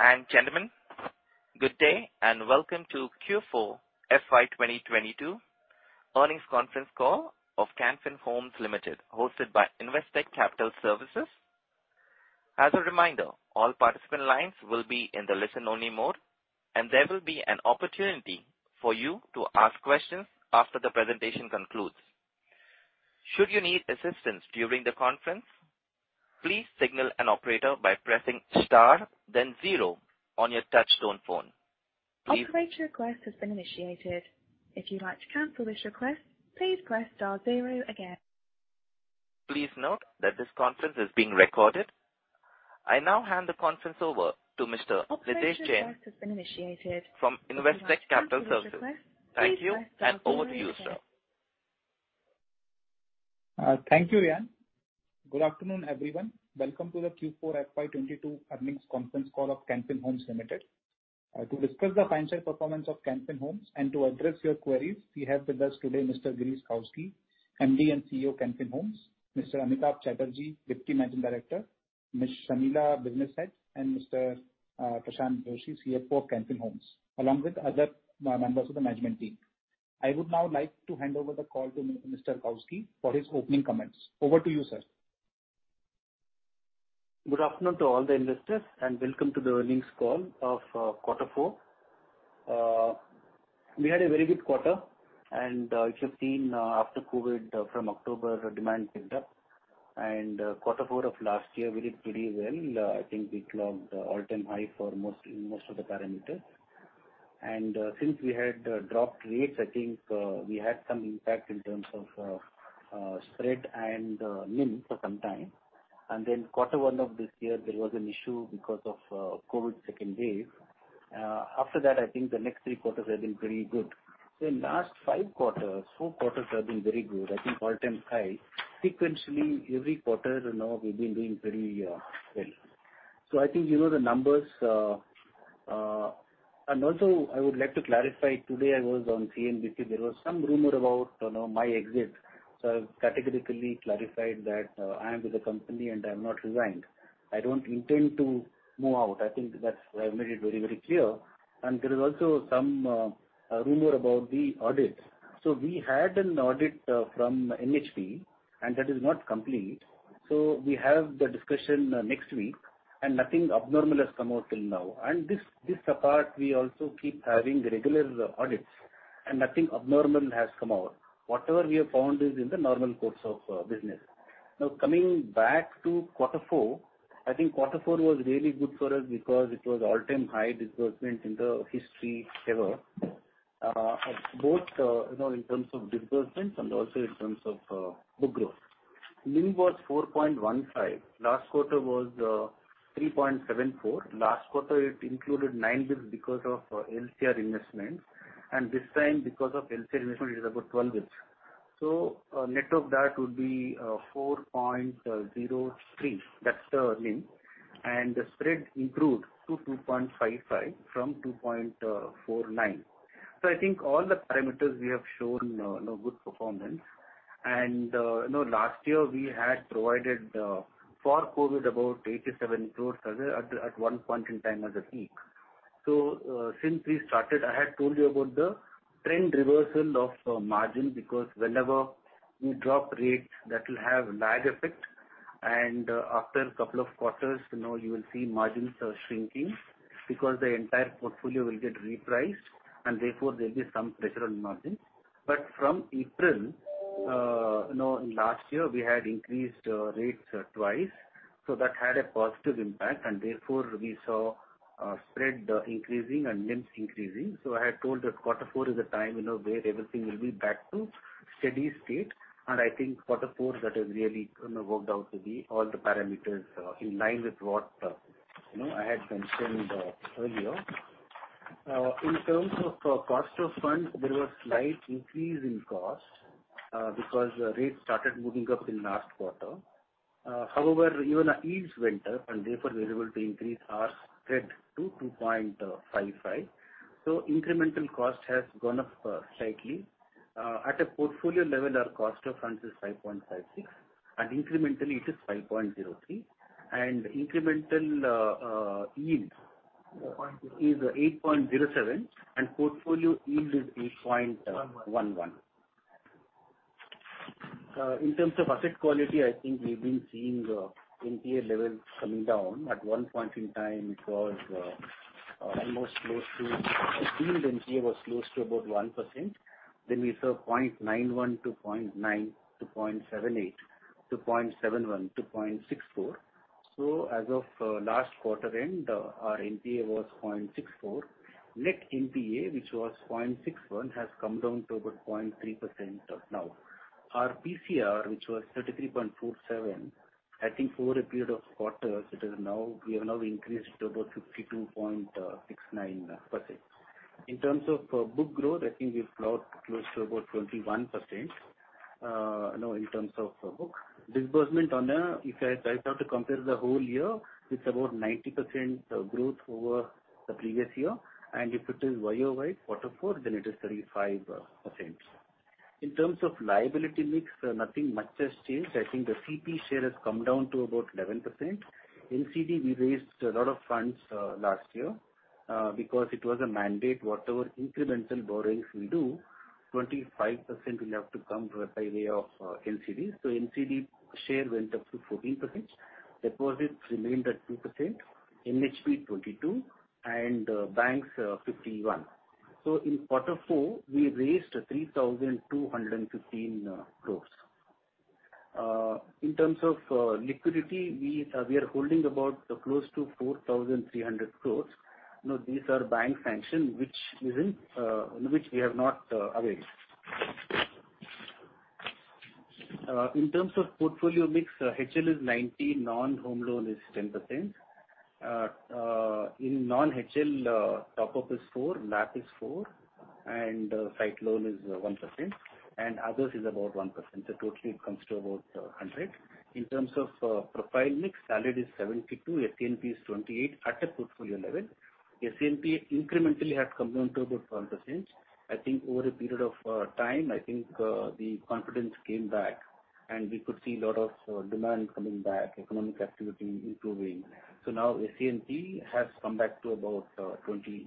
Ladies and gentlemen, good day, and welcome to Q4 FY 2022 earnings conference call of Can Fin Homes Limited, hosted by Investec Capital Services. As a reminder, all participant lines will be in the listen-only mode, and there will be an opportunity for you to ask questions after the presentation concludes. Should you need assistance during the conference, please signal an operator by pressing star then zero on your touchtone phone. Please note that this conference is being recorded. I'll now hand the conference over to Mr. Nidhesh Jain from Investec Capital Services. Thank you, and over to you, sir. Thank you, Ryan. Good afternoon, everyone. Welcome to the Q4 FY 2022 earnings conference call of Can Fin Homes Limited. To discuss the financial performance of Can Fin Homes and to address your queries, we have with us today Mr. Girish Kousgi, MD and CEO, Can Fin Homes, Mr. Amitabh Chatterjee, deputy managing director, Ms. Shamila, business head, and Mr. Prashanth Joishy, CFO of Can Fin Homes, along with other members of the management team. I would now like to hand over the call to Mr. Kousgi for his opening comments. Over to you, sir. Good afternoon to all the investors, and welcome to the earnings call of quarter four. We had a very good quarter, and if you've seen, after COVID, from October, demand picked up. Quarter four of last year we did pretty well. I think we clocked all-time high for most of the parameters. Since we had dropped rates, I think we had some impact in terms of spread and NIM for some time. Quarter one of this year, there was an issue because of COVID second wave. After that, I think the next three quarters have been pretty good. The last five quarters, four quarters have been very good. I think all-time high. Sequentially, every quarter now we've been doing pretty well. I think you know the numbers. I would like to clarify, today I was on CNBC, there was some rumor about my exit. I've categorically clarified that I am with the company and I have not resigned. I don't intend to move out. I think that's why I made it very, very clear. There is also some rumor about the audit. We had an audit from NHB, and that is not complete. We have the discussion next week, and nothing abnormal has come out till now. This apart, we also keep having regular audits, and nothing abnormal has come out. Whatever we have found is in the normal course of business. Now, coming back to Q4, I think Q4 was really good for us because it was all-time high disbursement in the history ever. Both in terms of disbursements and also in terms of book growth. NIM was 4.15%. Last quarter was 3.74%. Last quarter it included 9 bps because of LCR investments. This time because of LCR investment it is about 12 bps. Net of that would be 4.03%. That's the NIM. The spread improved to 2.55% from 2.49%. I think all the parameters we have shown good performance. Last year we had provided for COVID about 87 crores at one point in time at the peak. Since we started, I had told you about the trend reversal of margin because whenever you drop rates that will have lag effect and after couple of quarters you will see margins are shrinking because the entire portfolio will get repriced and therefore there'll be some pressure on margin. But from April last year, we had increased rates twice, so that had a positive impact and therefore we saw spread increasing and NIMs increasing. I had told that Q4 is a time where everything will be back to steady state. I think Q4 that has really worked out to be all the parameters in line with what I had mentioned earlier. In terms of cost of funds, there was slight increase in cost because rates started moving up in last quarter. However, even our yields went up, and therefore we were able to increase our spread to 2.55%. Incremental cost has gone up slightly. At a portfolio level, our cost of funds is 5.56% and incrementally it is 5.03%. Incremental yield is 8.07%, and portfolio yield is 8.11%. In terms of asset quality, I think we've been seeing NPA levels coming down. At one point in time it was almost close to NPA was close to about 1%. We saw 0.91% to 0.9% to 0.78% to 0.71% to 0.64%. As of last quarter end, our NPA was 0.64. Net NPA, which was 0.61, has come down to about 0.3% as of now. Our PCR, which was 33.47, I think over a period of quarters it is now, we have now increased to about 52.69%. In terms of book growth, I think we've grown close to about 21% in terms of book. Disbursement, if I have to compare the whole year, it's about 90% growth over the previous year. If it is YOY Q4, then it is 35%. In terms of liability mix, nothing much has changed. I think the CP share has come down to about 11%. NCD, we raised a lot of funds last year because it was a mandate. Whatever incremental borrowings we do, 25% will have to come by way of NCD. NCD share went up to 14%. Deposits remained at 2%. NHB, 22%, and banks, 51%. In Q4, we raised 3,215 crores. In terms of liquidity, we are holding about close to 4,300 crores. Now, these are bank sanctions, which we have not availed. In terms of portfolio mix, HL is 90%, non-home loan is 10%. In non-HL, top-up is 4%, LAP is 4%, and site loan is 1%, and others is about 1%. Totally it comes to about 100%. In terms of profile mix, salaried is 72, SENP is 28 at a portfolio level. SENP incrementally has come down to about 1%. I think over a period of time, I think the confidence came back and we could see a lot of demand coming back, economic activity improving. Now SENP has come back to about 28%.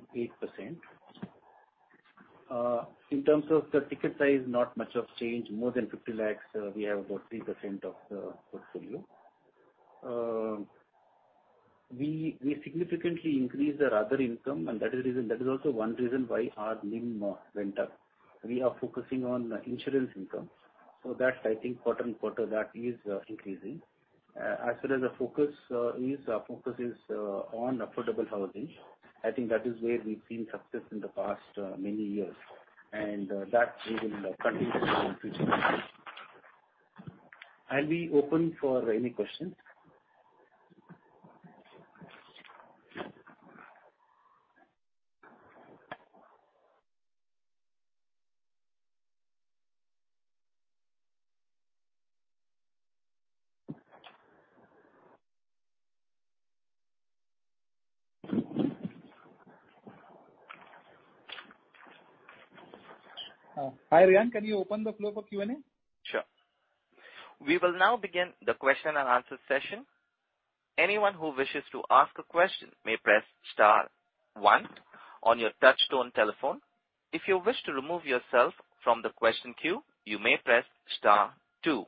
In terms of the ticket size, not much of change. More than 50 lakhs, we have about 3% of the portfolio. We significantly increased our other income, and that is the reason. That is also one reason why our NIM went up. We are focusing on insurance income. That I think quarter-over-quarter that is increasing. As well as the focus is on affordable housing. I think that is where we've seen success in the past, many years and that we will continue to do in future. I'll be open for any questions. Hi, Ryan. Can you open the floor for Q&A? Sure. We will now begin the question and answer session. Anyone who wishes to ask a question may press star one on your touchtone telephone. If you wish to remove yourself from the question queue, you may press star two.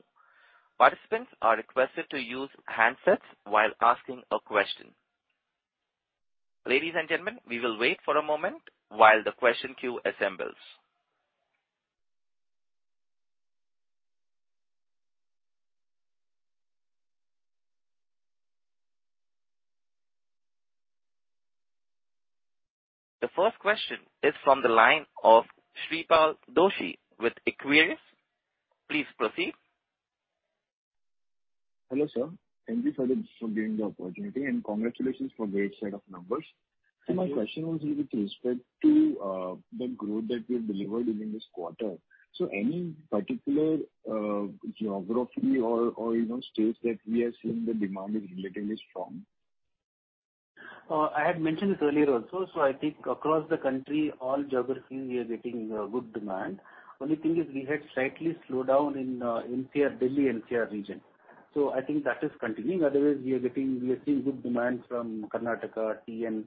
Participants are requested to use handsets while asking a question. Ladies and gentlemen, we will wait for a moment while the question queue assembles. The first question is from the line of Shreepal Doshi with Equirus. Please proceed. Hello, sir. Thank you for giving the opportunity and congratulations for the great set of numbers. Thank you. My question was with respect to the growth that we have delivered during this quarter. Any particular geography or states that we are seeing the demand is relatively strong? I had mentioned this earlier also. I think across the country, all geographies we are getting good demand. Only thing is we had slightly slowed down in NCR, Delhi NCR region. I think that is continuing. Otherwise, we are seeing good demand from Karnataka, TN,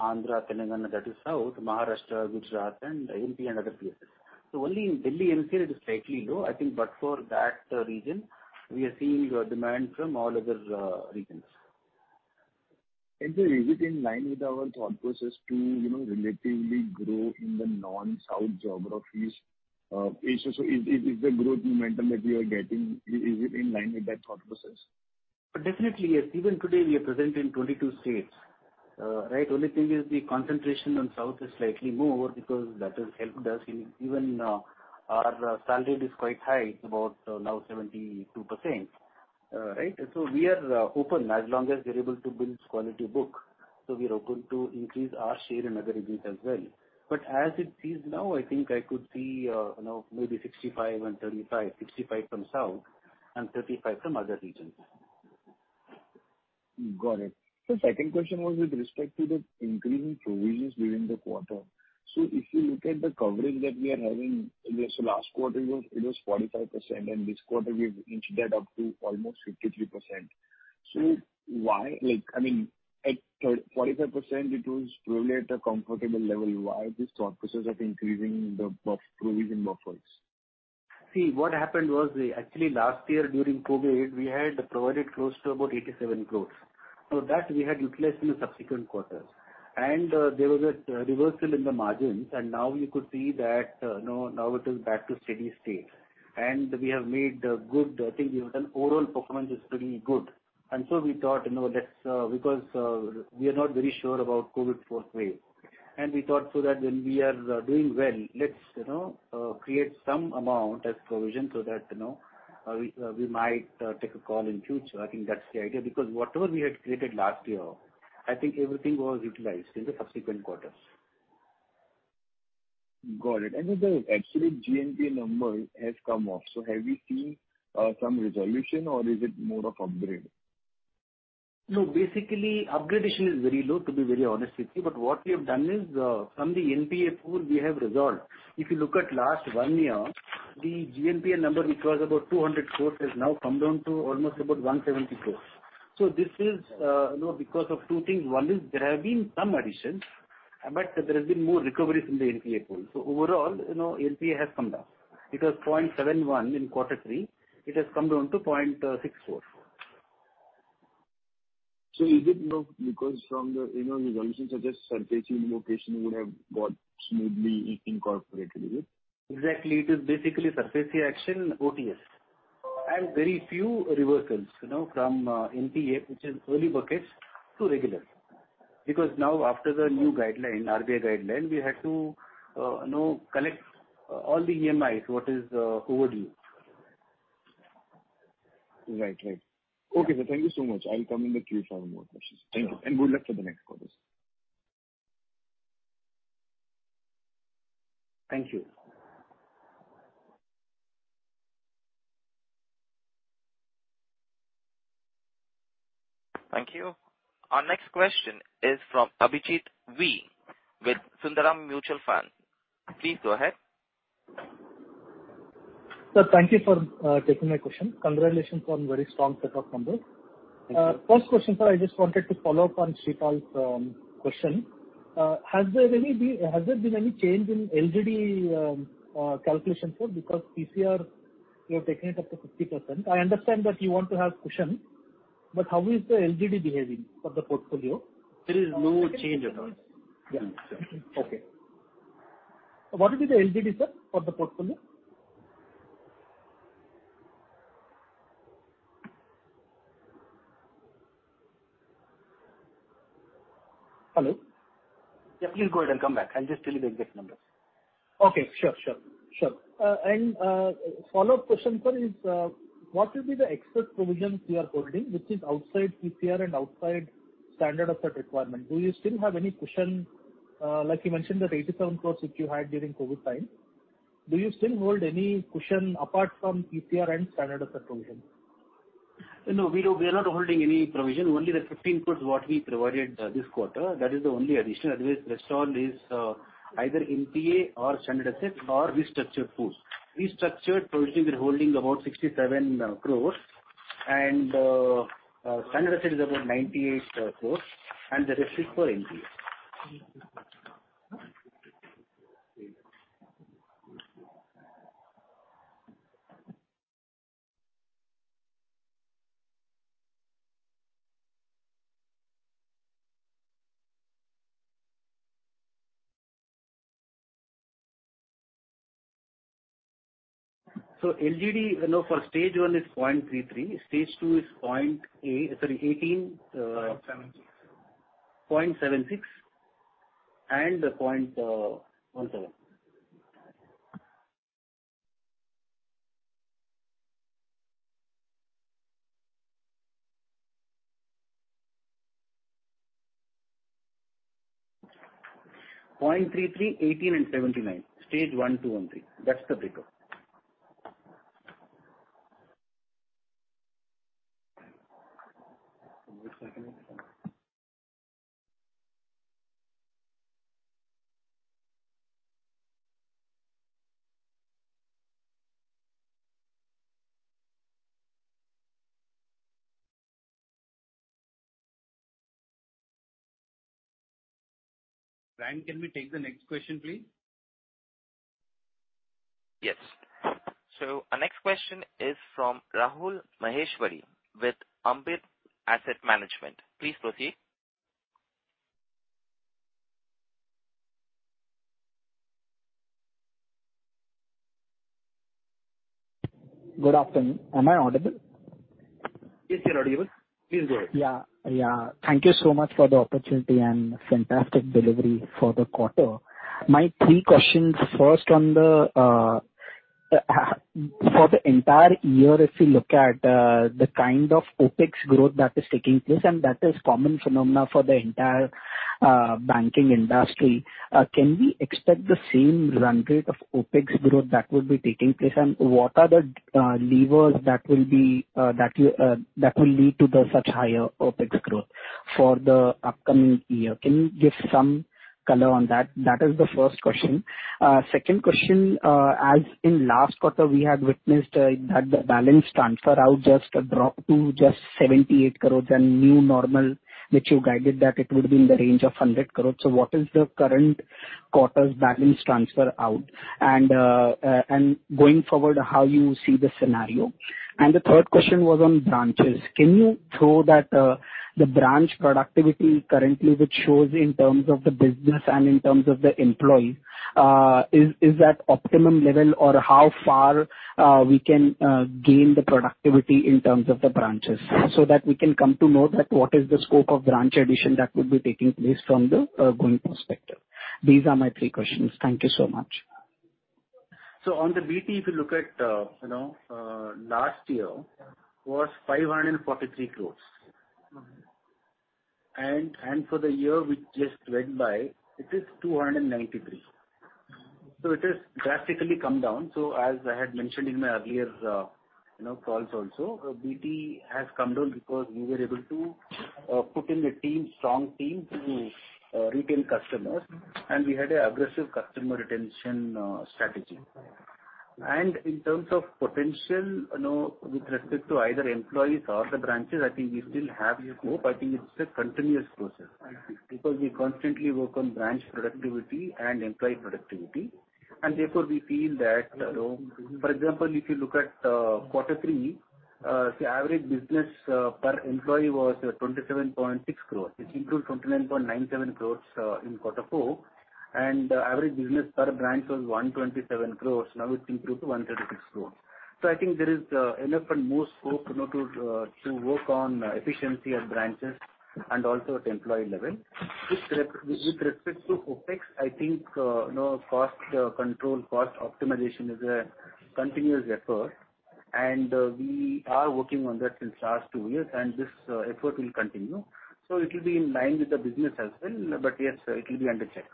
Andhra, Telangana, that is south, Maharashtra, Gujarat and MP and other places. Only in Delhi NCR it is slightly low, I think, but for that region we are seeing demand from all other regions. Sir, is it in line with our thought process to, relatively grow in the non-south geographies? The growth momentum that we are getting, is it in line with that thought process? Definitely, yes. Even today we are present in 22 states. Only thing is the concentration on south is slightly more because that has helped us in even our salaried is quite high. It's about now 72%.We are open. As long as we are able to build quality book, we are open to increase our share in other regions as well. As it is now, I think I could see maybe 65% and 35%. 65% from south and 35% from other regions. Got it. Sir, second question was with respect to the increase in provisions during the quarter. If you look at the coverage that we are having, so last quarter it was 45% and this quarter we've inched that up to almost 53%. Why? At 45% it was probably at a comfortable level. Why this thought process of increasing the provision buffers? See, what happened was, actually last year during COVID, we had provisioned close to about 87 crores. Now that we had utilized in the subsequent quarters. There was a reversal in the margins. Now you could see that now it is back to steady state. We have made good, I think even an overall performance is pretty good. We thought, because we are not very sure about COVID fourth wave. We thought, so that when we are doing well, let's create some amount as provision so that we might take a call in future. I think that's the idea. Because whatever we had created last year, I think everything was utilized in the subsequent quarters. Got it. The absolute GNPA number has come off. Have you seen some resolution or is it more of upgrade? No, basically upgradation is very low to be very honest with you. What we have done is, from the NPA pool we have resolved. If you look at last one year, the GNPA number which was about 200 crores has now come down to almost about 170 crores. This is because of two things. One is there have been some additions, but there has been more recoveries in the NPA pool. Overall, NPA has come down. It was 0.71% in Q3. It has come down to 0.64%. Is it because from the resolutions suggest SARFAESI invocation would have got smoothly incorporated with it? Exactly. It is basically SARFAESI action OTS. Very few reversals from NPA, which is early buckets to regular. Because now after the new guideline, RBI guideline, we had to collect all the EMIs what is overdue. Right. Okay, sir. Thank you so much. I will come in the queue for more questions. Thank you, and good luck for the next quarters. Thank you. Thank you. Our next question is from Abhijeet V. with Sundaram Mutual Fund. Please go ahead. Sir, thank you for taking my question. Congratulations on very strong set of numbers. Thank you. First question, sir. I just wanted to follow up on Shreepal's question. Has there been any change in LGD calculation, sir? Because PCR, you have taken it up to 50%. I understand that you want to have cushion, but how is the LGD behaving for the portfolio? There is no change at all. What is the LGD, sir, for the portfolio? Hello? Yes, please go ahead. I'll come back. I'll just tell you the exact numbers. Okay. Sure. Follow-up question, sir, is what will be the excess provisions you are holding which is outside PPR and outside standard asset requirement? Do you still have any cushion, like you mentioned that 87 crores which you had during COVID time? Do you still hold any cushion apart from PPR and standard asset provision? No, we don't. We are not holding any provision. Only the 15 crores what we provided this quarter, that is the only addition. Otherwise, rest all is either NPA or standard asset or restructured pools. Restructured provisions, we're holding about 67 crores. Standard asset is about 98 crores and the rest is for NPA. LGD, for stage one is 0.33, stage 2 is 18. 0.76. 0.76 and 0.17. 0.33, 18, and 79. Stage 1, 2, and 3. That's the breakup. Ryan, can we take the next question, please? Yes. Our next question is from Rahul Maheshwari with Ambit Asset Management. Please proceed. Good afternoon. Am I audible? Yes, you're audible. Please go ahead. Yes. Thank you so much for the opportunity and fantastic delivery for the quarter. My three questions, first on the for the entire year, if you look at the OpEx growth that is taking place and that is common phenomena for the entire banking industry, can we expect the same run rate of OpEx growth that would be taking place? What are the levers that will lead to such higher OpEx growth for the upcoming year? Can you give some color on that? That is the first question. Second question, as in last quarter we had witnessed that the balance transfer out just dropped to just 78 crores and new normal, which you guided that it would be in the range of 100 crores. What is the current quarter's balance transfer out and going forward, how you see the scenario? The third question was on branches. Can you throw light on the branch productivity currently which shows in terms of the business and in terms of the employee, is that optimum level or how far we can gain the productivity in terms of the branches so that we can come to know that what is the scope of branch addition that would be taking place from the going-forward perspective. These are my three questions. Thank you so much. On the BT, if you look at last year was 543 crores. For the year which just went by, it is 293 crores. It has drastically come down. As I had mentioned in my earlier calls also, BT has come down because we were able to put in a team, strong team to retain customers. We had a aggressive customer retention strategy. In terms of potential, with respect to either employees or the branches, I think we still have the scope. I think it's a continuous process. I see. Because we constantly work on branch productivity and employee productivity, and therefore we feel that, for example, if you look at Q3, the average business per employee was 27.6 crores. It improved to 29.97 crores in Q4. Average business per branch was 127 crores, now it improved to 136 crores. I think there is enough and more scope to work on efficiency at branches and also at employee level. With respect to OpEx, I think control cost optimization is a continuous effort and we are working on that since last two years and this effort will continue. It will be in line with the business as well, but yes, it will be under check.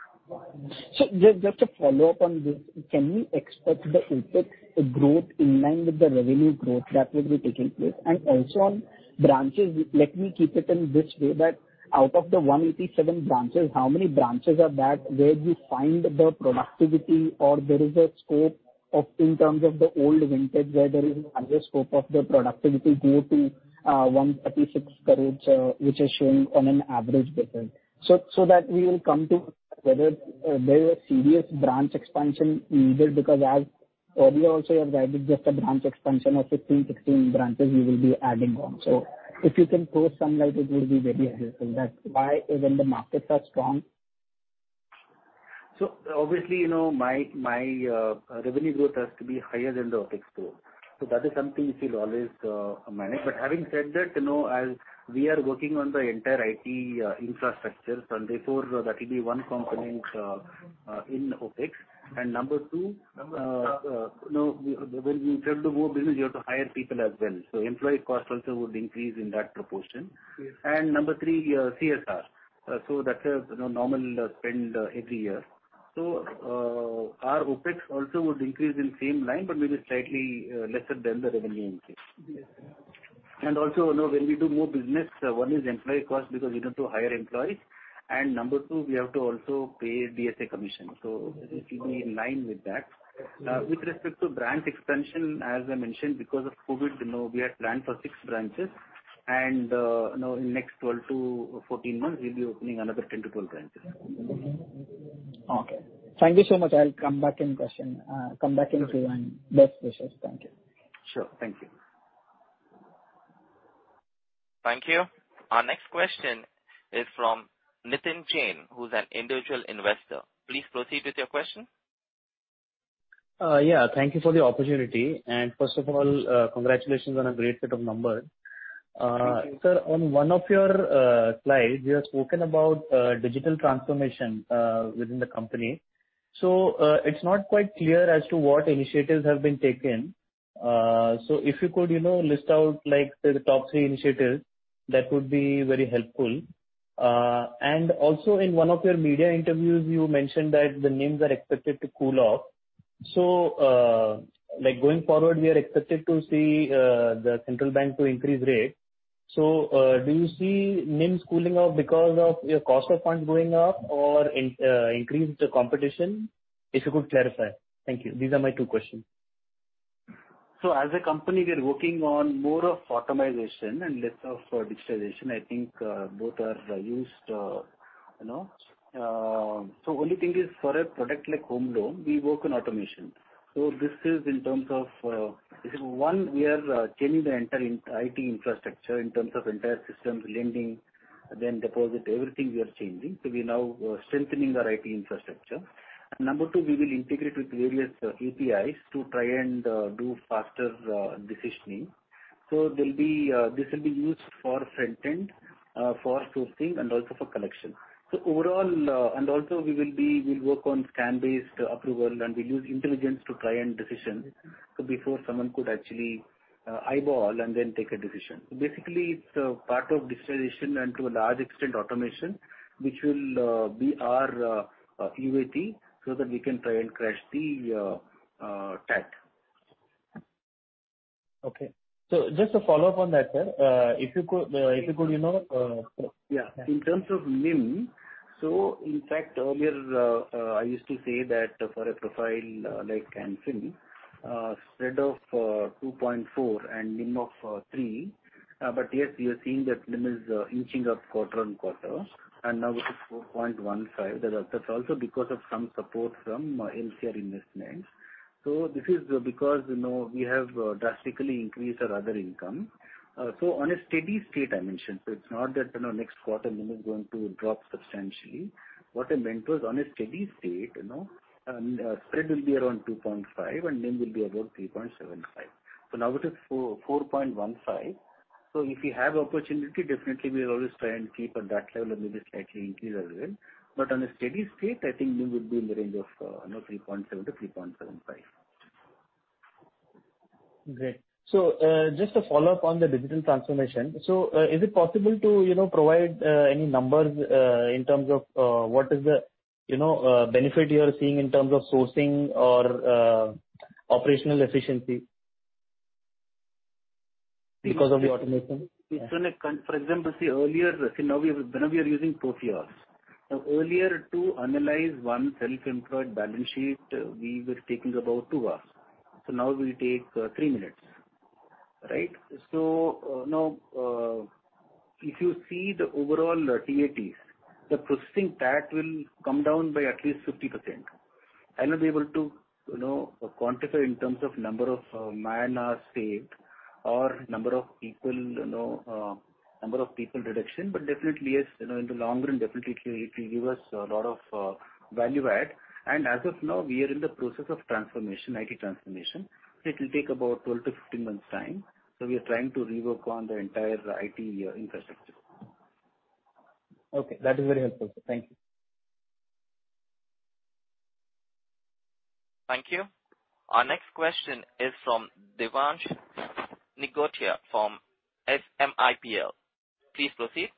Just to follow up on this. Can we expect the OpEx growth in line with the revenue growth that will be taking place? Also on branches, let me keep it in this way that out of the 187 branches, how many branches are that where we find the productivity or there is a scope of in terms of the old vintage where there is another scope of the productivity due to 136 crores, which is showing on an average basis. That we will come to whether there is a serious branch expansion needed because as earlier also you have guided just a branch expansion of 15, 16 branches you will be adding on. If you can throw some light it will be very helpful that why even the markets are strong. Obviously, my revenue growth has to be higher than the OpEx growth. That is something we still always manage. Having said that, as we are working on the entire IT infrastructure, and therefore that will be one component in OpEx. Number two, when you tend to grow business you have to hire people as well. Employee cost also would increase in that proportion. Yes. Number three, your CSR. That's a normal spend every year. Our OpEx also would increase in same line, but will be slightly lesser than the revenue increase. Yes. Also, when we do more business, one is employee cost because we have to hire employees, and number two, we have to also pay DSA commission. It will be in line with that. With respect to branch expansion, as I mentioned, because of COVID, we had planned for six branches and in next 12-14 months we'll be opening another 10-12 branches. Okay. Thank you so much. I'll come back in Q&A. Best wishes. Thank you. Sure. Thank you. Thank you. Our next question is from Nitin Jain, who's an individual investor. Please proceed with your question. Yes. Thank you for the opportunity. First of all, congratulations on a great set of numbers. Thank you. Sir, on one of your slides, you have spoken about digital transformation within the company. It's not quite clear as to what initiatives have been taken. If you could list out the top three initiatives, that would be very helpful. Also, in one of your media interviews you mentioned that the NIMs are expected to cool off. Going forward, we are expected to see the central bank to increase rates. Do you see NIMs cooling off because of your cost of funds going up or in increased competition? If you could clarify. Thank you. These are my two questions. As a company, we are working on more of automation and less of digitization. I think both are used. The only thing is for a product like home loan, we work on automation. This is one, we are changing the entire IT infrastructure in terms of entire systems lending, then deposit, everything we are changing. We are now strengthening our IT infrastructure. Number two, we will integrate with various APIs to try and do faster decisioning. This will be used for front end for sourcing and also for collection. Overall, we will also work on scan-based approval and we'll use intelligence to try and decision so before someone could actually eyeball and then take a decision. Basically, it's a part of digitization and to a large extent automation, which will be our UAT so that we can try and crash the TAT. Okay. Just to follow up on that, sir, if you could. In terms of NIM, in fact earlier, I used to say that for a profile like Can Fin, spread of 2.4% and NIM of 3%. We are seeing that NIM is inching up quarter-on-quarter and now it is 4.15%. That's also because of some support from LCR Investments. This is because we have drastically increased our other income. On a steady state I mentioned, it's not that next quarter NIM is going to drop substantially. What I meant was on a steady state, spread will be around 2.5% and NIM will be about 3.75%. Now it is 4.15%. If we have opportunity, definitely we will always try and keep at that level and maybe slightly increase as well. On a steady state, I think NIM will be in the range of 3.7%-3.75%. Great. Just a follow-up on the digital transformation. Is it possible to provide any numbers in terms of what is the benefit you are seeing in terms of sourcing or operational efficiency because of the automation? Now we are using Totia. Earlier to analyze one self-employed balance sheet, we were taking about two hours. Now we take three minutes. If you see the overall TATs, the processing time will come down by at least 50%. I'll not be able to quantify in terms of number of man-hours saved or number of people number of people reduction, but definitely, yes, in the long run, definitely it will give us a lot of value add. As of now, we are in the process of transformation, IT transformation. It will take about 12-15 months' time, so we are trying to rework on the entire IT infrastructure. Okay, that is very helpful, sir. Thank you. Thank you. Our next question is from Devansh Nigotia from SMIPL. Please proceed.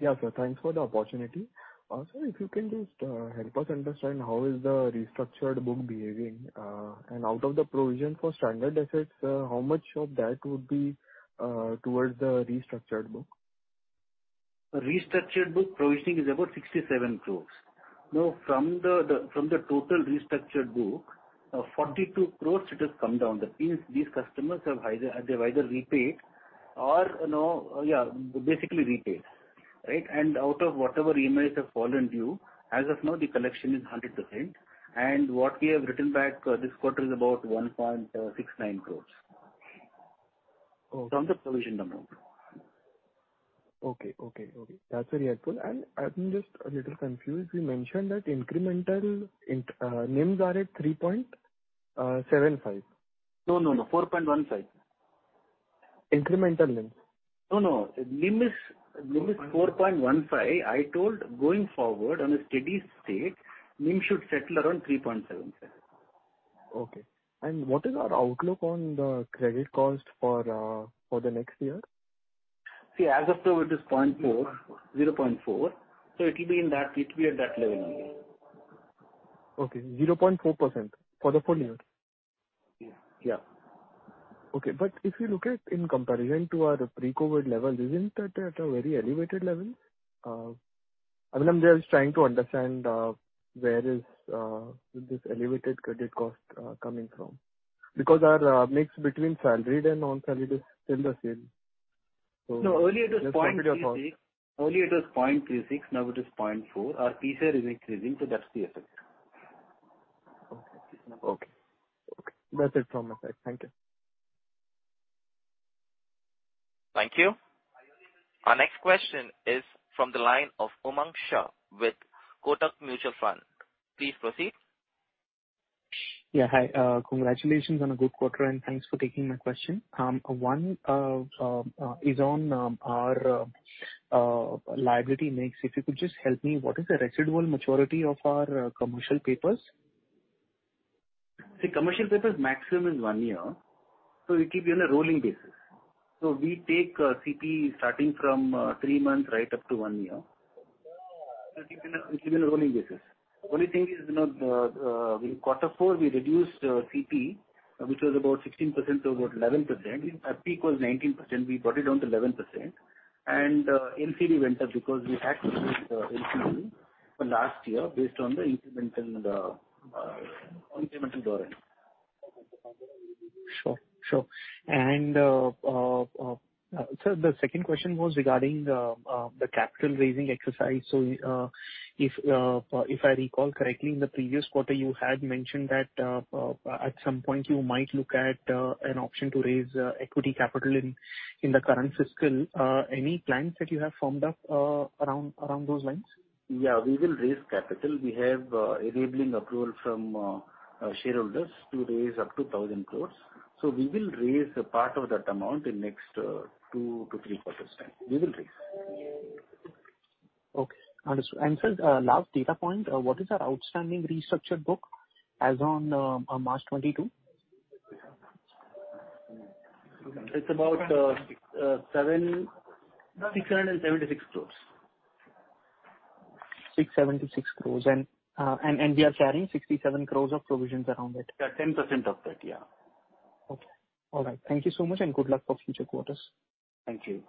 Yes, sir. Thanks for the opportunity. Sir, if you can just help us understand how is the restructured book behaving? Out of the provision for standard assets, how much of that would be towards the restructured book? Restructured book provisioning is about 67 crores. Now, from the total restructured book, 42 crores it has come down. That means these customers have either repaid or... Basically repaid. Out of whatever EMIs have fallen due, as of now the collection is 100%. What we have written back this quarter is about 1.69 crores. Okay. From the provision amount. Okay. That's very helpful. I'm just a little confused. You mentioned that incremental NIMs are at 3.75%. No, 4.15%. Incremental NIMs? No. NIM is 4.15%. I told going forward on a steady state, NIM should settle around 3.75%. Okay. What is our outlook on the credit cost for the next year? As of now, it is 0.4, it'll be at that level only. Okay. 0.4% for the full year? Yes. Okay. If you look at in comparison to our pre-COVID level, isn't that at a very elevated level? I'm just trying to understand where this elevated credit cost is coming from. Because our mix between salaried and non-salaried is still the same. No, earlier it was 0.36%. Now it is 0.4%. Our Tier is increasing, so that's the effect. Okay. That's it from my side. Thank you. Thank you. Our next question is from the line of Umang Shah with Kotak Mutual Fund. Please proceed. Yes, hi. Congratulations on a good quarter, and thanks for taking my question. One is on our liability mix. If you could just help me, what is the residual maturity of our commercial papers? Commercial papers maximum is one year, so it will be on a rolling basis. We take CP starting from three months right up to one year. It's on a rolling basis. Only thing is, in Q4, we reduced CP, which was about 16% to about 11%. At peak it was 19%. We brought it down to 11%. NCD went up because we had to raise NCD for last year based on the incremental borrowing. Sure. Sir, the second question was regarding the capital raising exercise. If I recall correctly, in the previous quarter you had mentioned that at some point you might look at an option to raise equity capital in the current fiscal. Any plans that you have formed up around those lines? We will raise capital. We have enabling approval from shareholders to raise up to 1,000 crores. We will raise a part of that amount in next 2-3 quarters' time. We will raise. Okay. Understood. Sir, last data point. What is our outstanding restructured book as on March 2022? It's about 676 crores. 676 crores. We are carrying 67 crores of provisions around it. Yes, 10% of that. Okay. All right. Thank you so much, and good luck for future quarters. Thank you.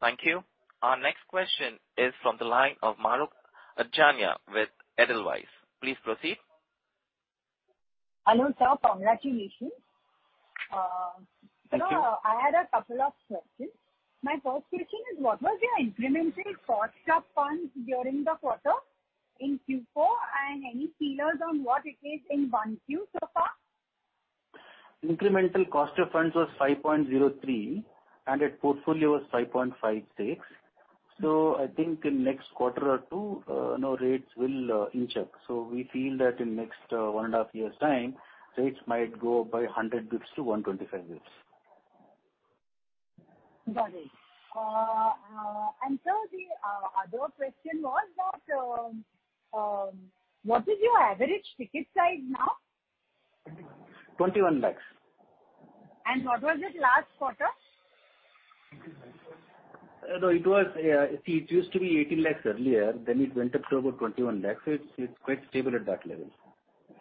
Thank you. Our next question is from the line of Mahrukh Adajania with Edelweiss. Please proceed. Sir, congratulations. Thank you. Sir, I had a couple of questions. My first question is what was your incremental cost of funds during the quarter in Q4, and any feelers on what it is in Q1 so far? Incremental cost of funds was 5.03%, and its portfolio was 5.56%. I think in next quarter or two, rates will inch up. We feel that in next one and a half years' time, rates might go up by 100-125 basis points. Got it. The other question was that, what is your average ticket size now? 21 lakhs. What was it last quarter? It used to be 18 lakhs earlier, then it went up to about 21 lakhs. It's quite stable at that level.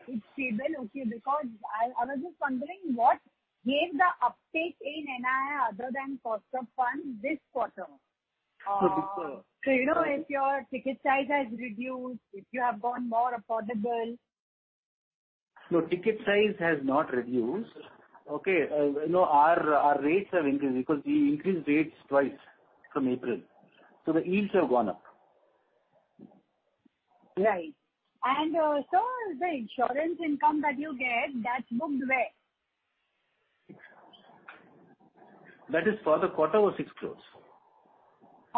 It's stable. I was just wondering what gave the uptake in NII other than cost of funds this quarter. If your ticket size has reduced, if you have gone more affordable. No, ticket size has not reduced. Our rates have increased because we increased rates twice from April. The yields have gone up. The insurance income that you get that's booked where? That is for the quarter was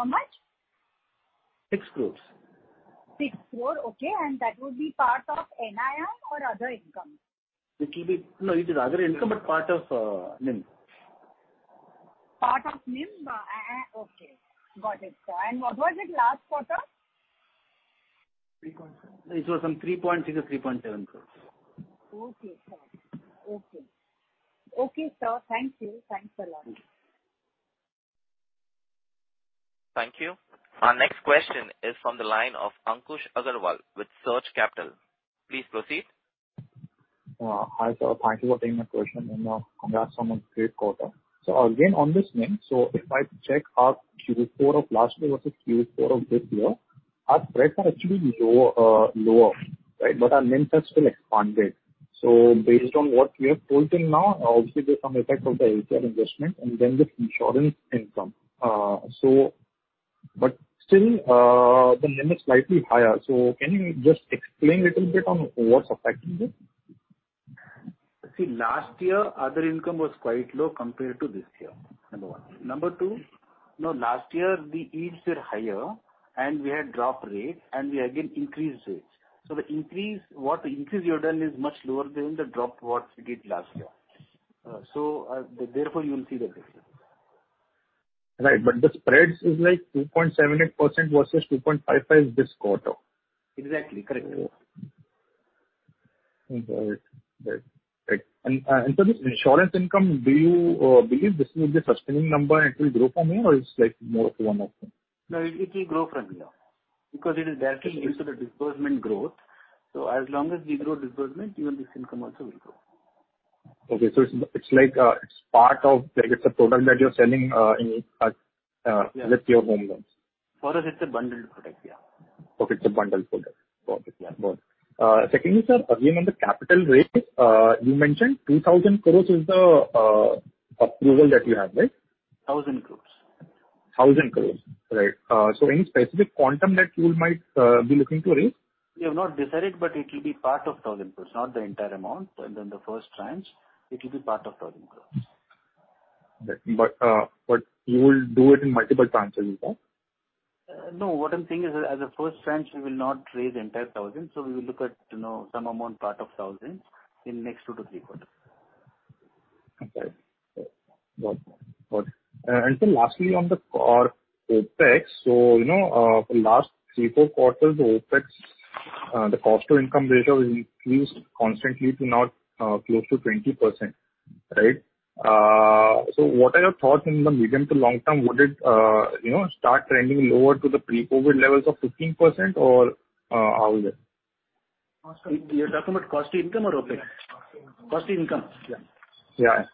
6 crores. How much? 6 crores. 6 crores. Okay. That would be part of NII or other income? No, it is other income, but part of NIM. Part of NIM. Okay. Got it. What was it last quarter? It was some 3.6 crores-3.7 crores. Got it. Okay, sir. Thank you. Thanks a lot. Thank you. Our next question is from the line of Ankush Agrawal with Surge Capital. Please proceed. Hi, sir. Thank you for taking my question and congrats on a great quarter. Again, on this NIM, if I check our Q4 of last year versus Q4 of this year, our spreads are actually lower. Our NIM has still expanded. Based on what you have told till now, obviously there's some effect of the LCR investment and then this insurance income. Still, the NIM is slightly higher. Can you just explain little bit on what's affecting this? Last year other income was quite low compared to this year, number one. Number two, last year the yields were higher and we had dropped rates and we again increased rates. What increase we have done is much lower than the drop what we did last year. Therefore you will see that difference. The spreads is like 2.78% versus 2.55% this quarter. Exactly. Correct. Got it. This insurance income, do you believe this will be a sustaining number and it will grow from here or it's more of a one off? No, it will grow from here because it is directly into the disbursement growth. As long as we grow disbursement even this income also will grow. Okay. It's like it's a product that you're selling with your home loans. For us it's a bundled product. Okay. It's a bundled product. Got it. Yes. Got it. Secondly, sir, again, on the capital raise, you mentioned 2,000 crores is the approval that you have, right? 1,000 crores. 1,000 crores. Right. Any specific quantum that you might be looking to raise? We have not decided, but it will be part of 1,000 crores, not the entire amount. The first tranche, it will be part of 1,000 crores. You will do it in multiple tranches? No. What I'm saying is, as a first tranche, we will not raise entire thousand. We will look at some amount part of thousand in next two to three quarters. Got it. Lastly, on the core OpEx, for last three or four quarters, OpEx, the cost to income ratio has increased constantly to now, close to 20%. What are your thoughts in the medium to long-term? Would it start trending lower to the pre-COVID levels of 15% or how is it? You're talking about cost to income or OpEx? Cost to income. Cost to income? Yes.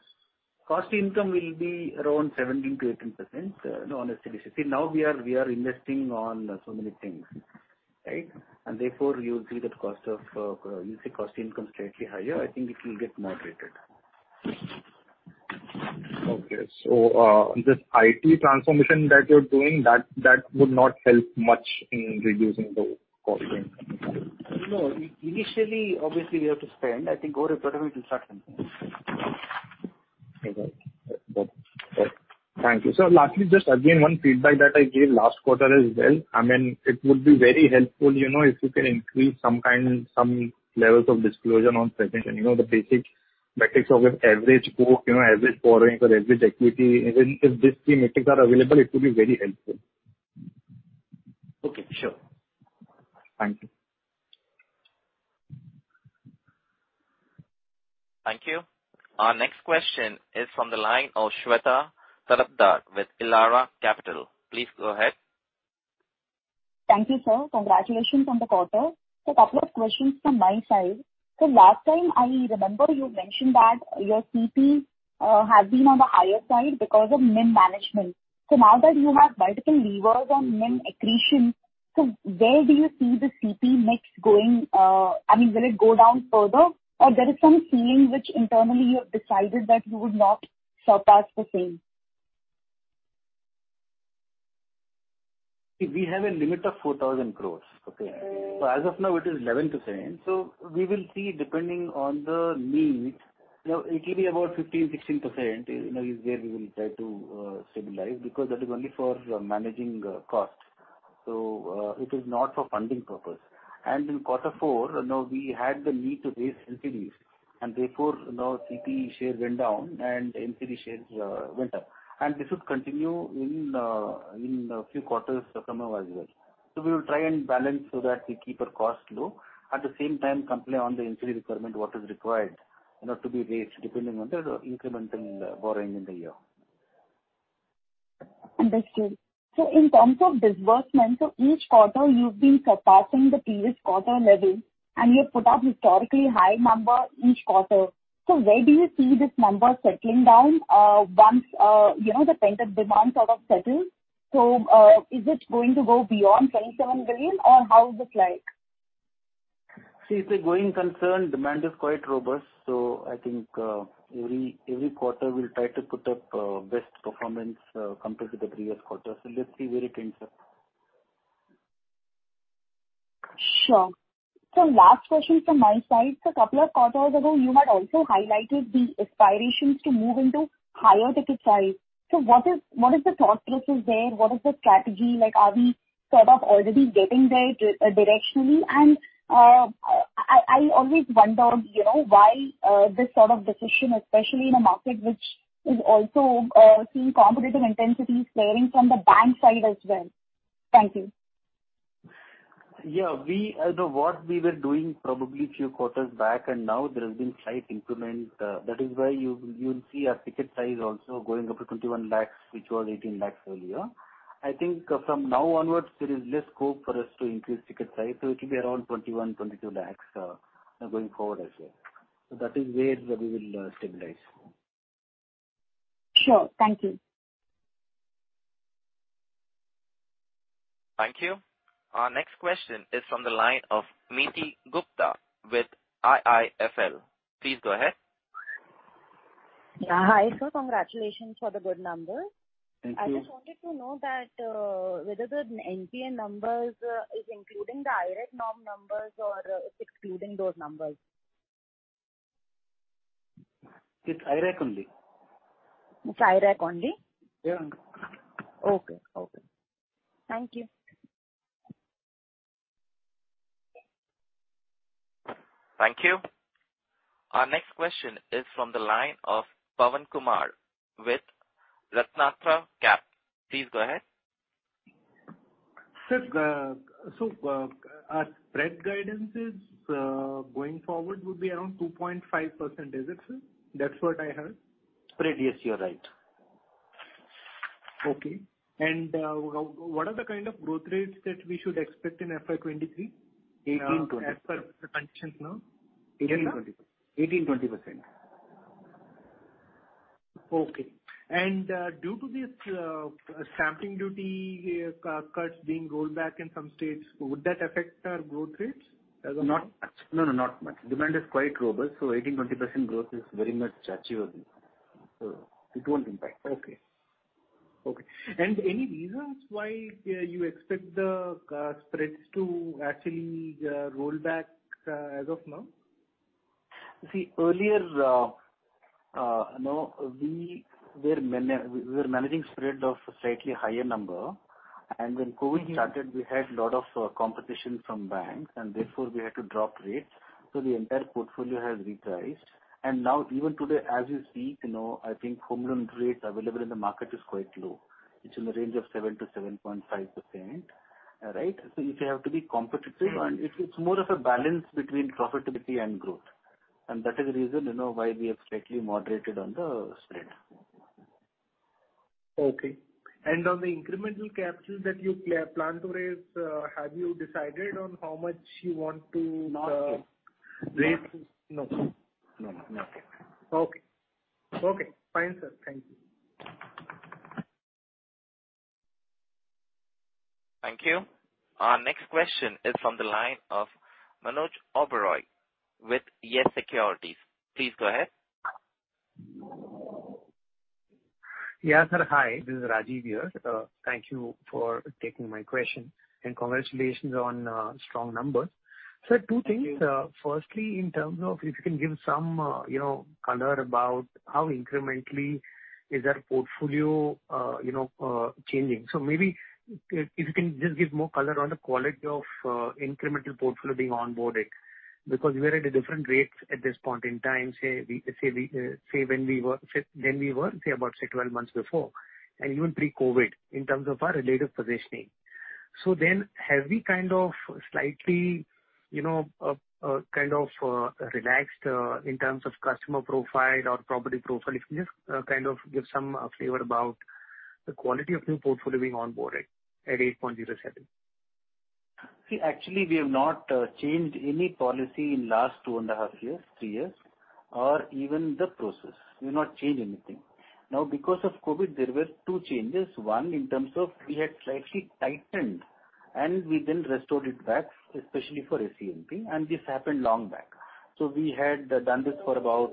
Cost to income will be around 17%-18% on a steady state. Now we are investing on so many things. Therefore, you'll see that cost income slightly higher. I think it will get moderated. This IT transformation that you're doing that would not help much in reducing the cost to income ratio. No. Initially obviously we have to spend. I think over a quarter we will start seeing. Got it. Thank you. Lastly, just again one feedback that I gave last quarter as well, it would be very helpful if you can increase some levels of disclosure on credit, the basic metrics of your average book, average borrowing or average equity. Even if these three metrics are available, it will be very helpful. Okay. Sure. Thank you. Thank you. Our next question is from the line of Shweta Daptardar with Elara Capital. Please go ahead. Thank you, sir. Congratulations on the quarter. A couple of questions from my side. Last time I remember you mentioned that your CP has been on the higher side because of NIM management. Now that you have multiple levers on NIM accretion, where do you see the CP mix going? Will it go down further or there is some ceiling which internally you have decided that you would not surpass the same? We have a limit of 4,000 crores. As of now, it is 11%. We will see depending on the need. Now it will be about 15%-16% is where we will try to stabilize because that is only for managing cost. It is not for funding purpose. In Q4, now we had the need to raise NCDs, and therefore, CP shares went down and NCD shares went up. This would continue in a few quarters coming up as well. We will try and balance so that we keep our costs low, at the same time comply on the NCD requirement what is required to be raised depending on the incremental borrowing in the year. Understood. In terms of disbursement, so each quarter you've been surpassing the previous quarter level, and you've put up historically high number each quarter. Where do you see this number settling down, once, the pent-up demand sort of settles? Is it going to go beyond 27 billion, or how is this like? It's a growing concern. Demand is quite robust. I think every quarter we'll try to put up best performance compared to the previous quarter. Let's see where it ends up. Sure. Last question from my side. Couple of quarters ago you had also highlighted the aspirations to move into higher ticket size. What is the thought process there? What is the strategy? Like, are we sort of already getting there directionally? I always wondered, why this decision, especially in a market which is also seeing competitive intensity flaring from the bank side as well. Thank you. The work we were doing probably a few quarters back and now there has been slight increment. That is why you'll see our ticket size also going up to 21 lakhs, which was 18 lakhs earlier. I think from now onwards there is less scope for us to increase ticket size, so it will be around 21 lakhs-22 lakhs going forward. That is where we will stabilize. Sure. Thank you. Thank you. Our next question is from the line of Niti Gupta with IIFL. Please go ahead. Yes, hi, sir. Congratulations for the good numbers. Thank you. I just wanted to know whether the NPA numbers is including the IRAC norm numbers or excluding those numbers. It's IRAC only. It's IRAC only? Yes. Okay. Thank you. Thank you. Our next question is from the line of Pavan Kumar with RatnaTraya Capital. Please go ahead. Our spread guidances going forward would be around 2.5%, is it, sir? That's what I heard. Spread, yes, you're right. What are the growth rates that we should expect in FY 2023? 18%-20%. As per the conditions now? 18%-20%. Due to this stamp duty cuts being rolled back in some states, would that affect our growth rates as of now? No. Not much. Demand is quite robust, 18%-20% growth is very much achievable. It won't impact. Any reasons why you expect the spreads to actually roll back as of now? Earlier, we were managing spread of slightly higher number. When COVID started, we had lot of competition from banks, and therefore we had to drop rates, so the entire portfolio has repriced. Now even today, as we speak, I think home loan rates available in the market is quite low. It's in the range of 7%-7.5%. If you have to be competitive. It's more of a balance between profitability and growth. That is the reason why we have slightly moderated on the spread. Okay. On the incremental capital that you plan to raise, have you decided on how much you want to raise? Not yet. Okay. Fine, sir. Thank you. Thank you. Our next question is from the line of Manuj Oberoi with Yes Securities. Please go ahead. Yes, sir. Hi. This is Rajiv here. Thank you for taking my question, and congratulations on strong numbers. Two things. Firstly, in terms of if you can give some color about how incrementally is our portfolio changing. Maybe if you can just give more color on the quality of incremental portfolio being onboarded because we are at a different rate at this point in time, say, when we were about 12 months before, and even pre-COVID in terms of our relative positioning. Have we slightly relaxed in terms of customer profile or property profile? If you just give some flavor about the quality of new portfolio being onboarded at 8.07%. Actually, we have not changed any policy in last 2.5 years, 3 years, or even the process. We've not changed anything. Because of COVID, there were two changes, one, in terms of we had slightly tightened, and we then restored it back, especially for SENP, and this happened long back. We had done this for about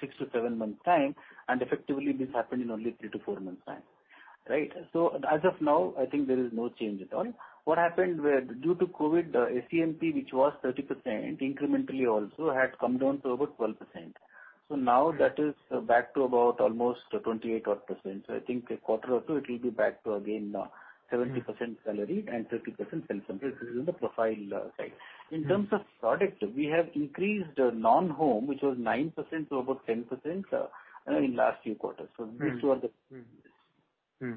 six to seven months' time, and effectively this happened in only three to four months' time. As of now, I think there is no change at all. What happened was due to COVID, SENP, which was 30% incrementally also had come down to about 12%. Now that is back to about almost 28 odd %. I think a quarter or two, it will be back to again 70% salaried and 30% self-employed. This is in the profile, side. In terms of product, we have increased non-home, which was 9% to about 10%, in last few quarters. These two are the...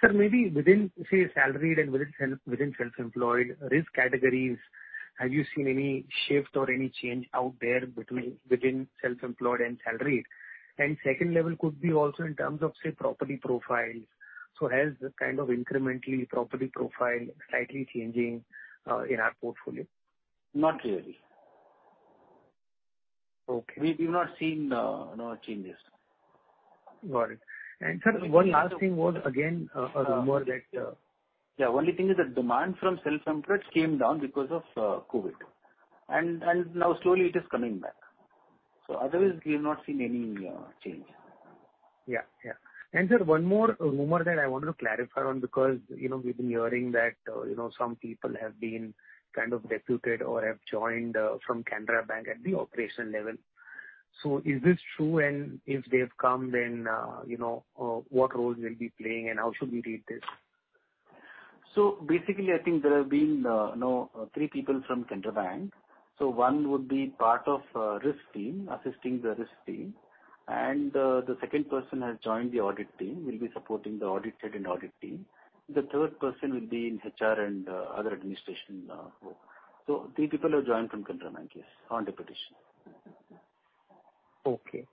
Sir, maybe within, say, salaried and within self-employed risk categories, have you seen any shift or any change out there between within self-employed and salaried? Second level could be also in terms of, say, property profiles. Has this incrementally property profile slightly changing in our portfolio? Not really. Okay. We've not seen no changes. Got it. Sir, one last thing was again a rumor that... Yes. Only thing is that demand from self-employed came down because of COVID and now slowly it is coming back. Otherwise we have not seen any change. Sir, one more rumor that I wanted to clarify on because we've been hearing that some people have been deputed or have joined from Canara Bank at the operation level. Is this true? If they have come then, what roles they'll be playing and how should we read this? Basically, I think there have been three people from Canara Bank. One would be part of risk team, assisting the risk team. The second person has joined the audit team, will be supporting the audit side and audit team. The third person will be in HR and other administration role. Three people have joined from Canara Bank, yes, on deputation. Okay.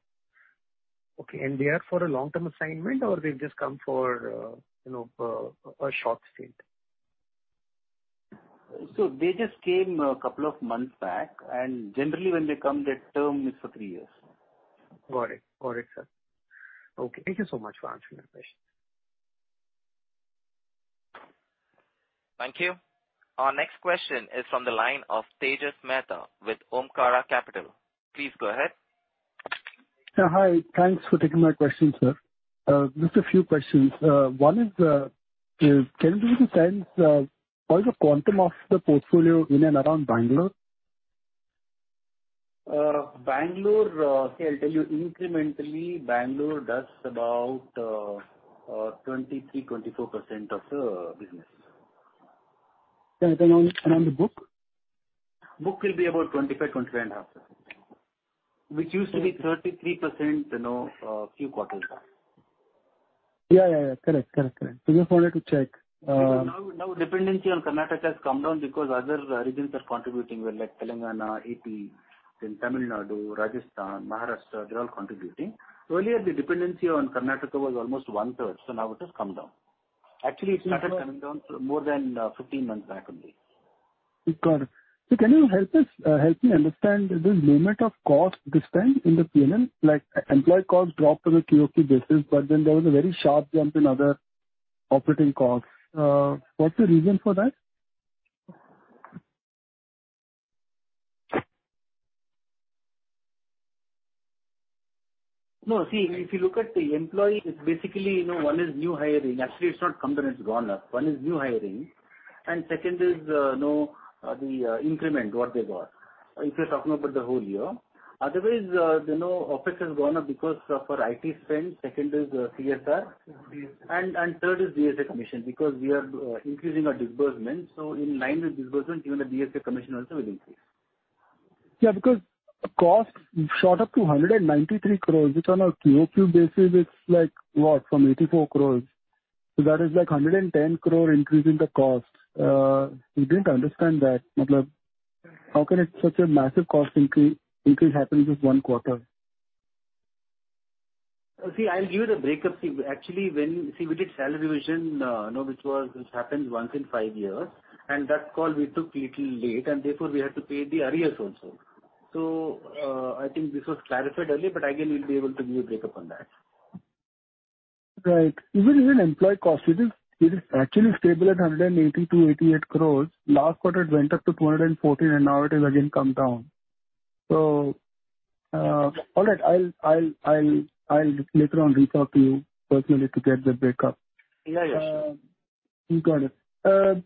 They are for a long-term assignment or they've just come for a short stint? They just came a couple of months back and generally when they come their term is for three years. Got it, sir. Okay, thank you so much for answering my questions. Thank you. Our next question is from the line of Tejas Mehta with Omkara Capital. Please go ahead. Yes. Hi. Thanks for taking my question, sir. Just a few questions. One is, can you give me the sense of what is the quantum of the portfolio in and around Bangalore? I'll tell you, incrementally Bangalore does about 23%-24% of the business. On the book? Book will be about 25%-25.5%. Which used to be 33% few quarters back. Yes. Correct. Just wanted to check. Now, dependency on Karnataka has come down because other regions are contributing well like Telangana, AP, then Tamil Nadu, Rajasthan, Maharashtra, they're all contributing. Earlier the dependency on Karnataka was almost 1/3, so now it has come down. Actually it started coming down more than 15 months back only. Got it. Can you help me understand the movement of cost this time in the P&L, like employee cost dropped on a QOQ basis, but then there was a very sharp jump in other operating costs. What's the reason for that? No. If you look at the employee, basically, one is new hiring. Actually, it's not come down, it's gone up. One is new hiring and second is the increment what they got, if you're talking about the whole year. Otherwise, OpEx has gone up because for IT spend, second is CSR. CSR. Third is DSA commission because we are increasing our disbursement. In line with disbursement even the DSA commission also will increase. Yes, because cost shot up to 193 crores which on a QOQ basis it's like what? From 84 crores. That is like 110 crores increase in the cost. We didn't understand that. How can such a massive cost increase happen in just one quarter? I'll give you the breakup. Actually, when we did salary revision, which happens once in five years and that call we took little late and therefore we had to pay the arrears also. I think this was clarified earlier, but again we'll be able to give you a breakup on that. Right. Even employee cost it is actually stable at 180-188 crores. Last quarter it went up to 214 crores and now it has again come down. All right. I'll later on reach out to you personally to get the breakup. Yes. Got it. Sir,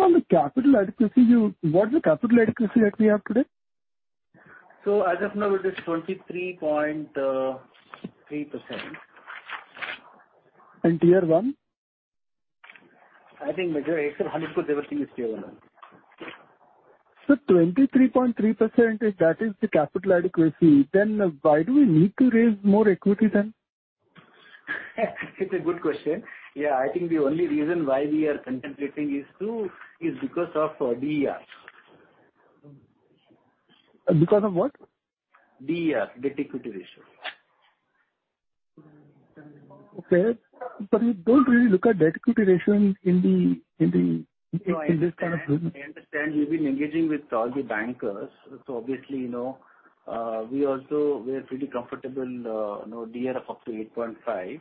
on the capital adequacy, what's the capital adequacy that we have today? As of now it is 23.3%. Tier I? I think majority, except HDFC, everything is Tier I. Sir, 23.3% if that is the capital adequacy, then why do we need to raise more equity then? It's a good question. I think the only reason why we are contemplating is because of DER. Because of what? DER, debt equity ratio. Okay. You don't really look at debt equity ratio in this business. No, I understand. We've been engaging with all the bankers. Obviously, we're pretty comfortable, DER of up to 8.5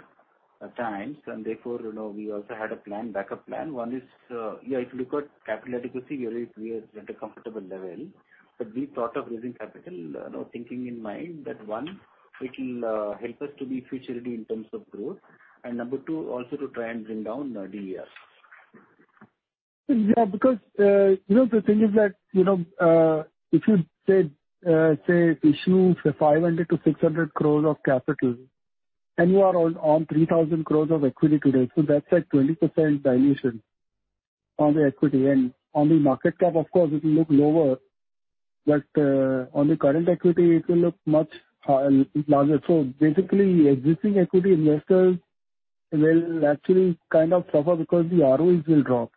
times and therefore, we also had a backup plan. One is, if you look at capital adequacy really we are at a comfortable level, but we thought of raising capital, keeping in mind that one, it'll help us to be future ready in terms of growth and number two, also to try and bring down DER. Yes, because the thing is that, if you issue for 500-600 crores of capital and you are on 3,000 crores of equity today, so that's like 20% dilution on the equity. On the market cap, of course, it'll look lower, but, on the current equity it will look much larger. Basically existing equity investors will actually kind of suffer because the ROEs will drop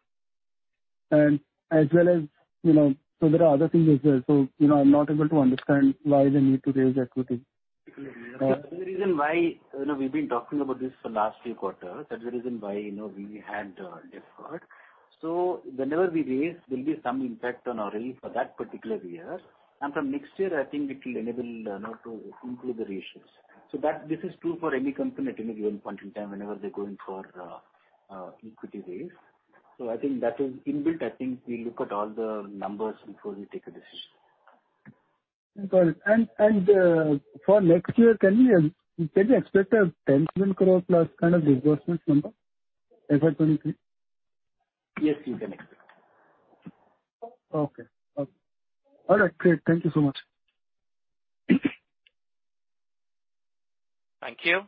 and as well as there are other things as well. I'm not able to understand why they need to raise equity. Exactly. The reason why we've been talking about this for the last few quarters, that's the reason why we had deferred. Whenever we raise there'll be some impact on our RE for that particular year. From next year, I think it will enable now to improve the ratios. This is true for any company at any given point in time whenever they're going for equity raise. I think that is inbuilt. I think we look at all the numbers before we take a decision. Got it. For next year, can we expect a 10 million crores plus disbursements number, FY 2023? Yes, you can expect. Okay. All right. Great. Thank you so much. Thank you.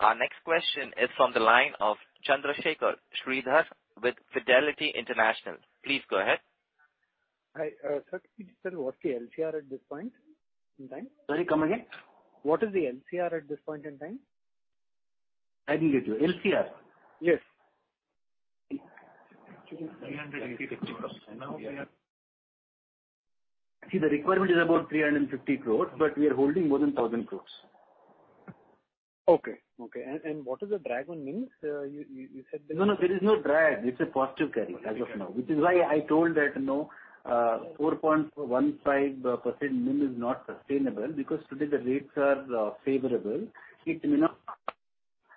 Our next question is from the line of Chandrasekhar Sridhar with Fidelity International. Please go ahead. Hi. Sir, can you just tell what the LCR at this point in time? Sorry, come again. What is the LCR at this point in time? I didn't get you. LCR? Yes. INR 366 crores. The requirement is about 350 crores, but we are holding more than 1,000 crores. What is the drag on NIMs? You said that... No, there is no drag. It's a positive carry as of now, which is why I told that 4.15% NIM is not sustainable because today the rates are favorable. It may not.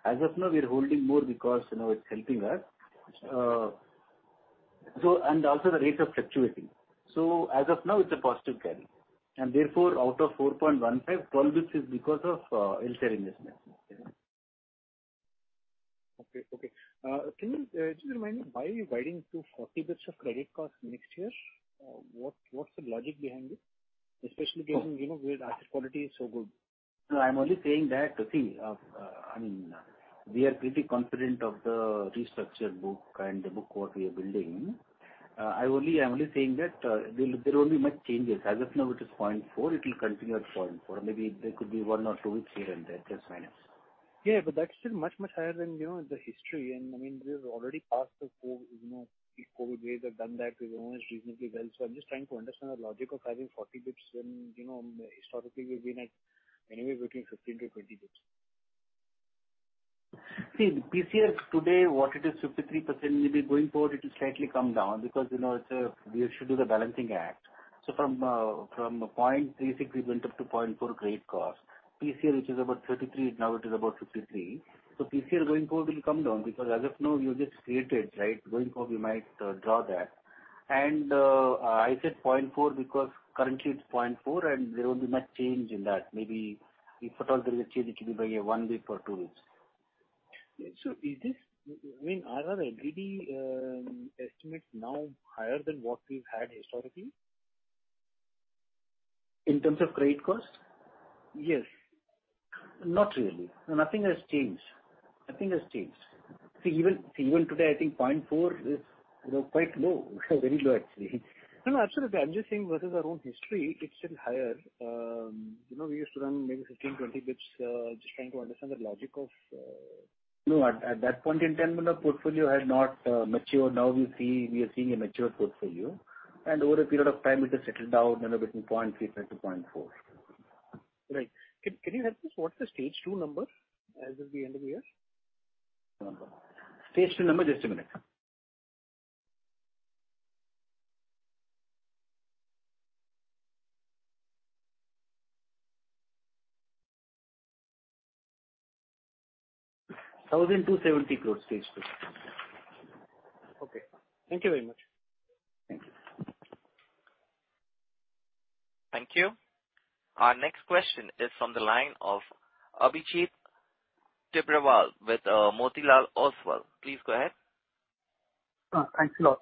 As of now we're holding more because it's helping us. Also the rates are fluctuating. As of now it's a positive carry. Therefore, out of 4.15, 12 basis points is because of LCR investments. Okay, can you just remind me why are you guiding to 40 basis of credit cost next year? What's the logic behind it? Especially given where the asset quality is so good. No, I'm only saying we are pretty confident of the restructured book and the book what we are building. I'm only saying that there won't be much changes. As of now it is 0.4%, it will continue at 0.4%. Maybe there could be 1 or 2 basis points here and there plus minus. Yes, that's still much higher than the history. We have already passed the COVID wave. We've done that. We've almost reasonably well. I'm just trying to understand the logic of having 40 basis when historically we've been at anywhere between 15-20 basis. The PCR today, what it is 53%, maybe going forward it will slightly come down because we should do the balancing act. Basically, we went up to 0.4% credit cost. PCR, which is about 33, now it is about 53. PCR going forward will come down because as of now you just created. Going forward we might draw that. I said 0.4 because currently it's 0.4% and there won't be much change in that. Maybe if at all there is a change it will be by a 1 basis or 2 basis. Are our NBD estimates now higher than what we've had historically? In terms of credit cost? Yes. Not really. Nothing has changed. Even today I think 0.4% is quite low. Very low actually. No, absolutely. I'm just saying versus our own history, it's still higher. We used to run maybe 15-20 basis. Just trying to understand the logic of... No, at that point in time when the portfolio had not matured. Now we are seeing a mature portfolio. Over a period of time it has settled down between 0.35%-0.4%. Right. Can you help us what's the stage 2 number as of the end of the year? Stage 2 number, just a minute. INR 1,270 crores stage 2. Okay. Thank you very much. Thank you. Thank you. Our next question is from the line of Abhijit Tibrewal with Motilal Oswal. Please go ahead. Thanks a lot.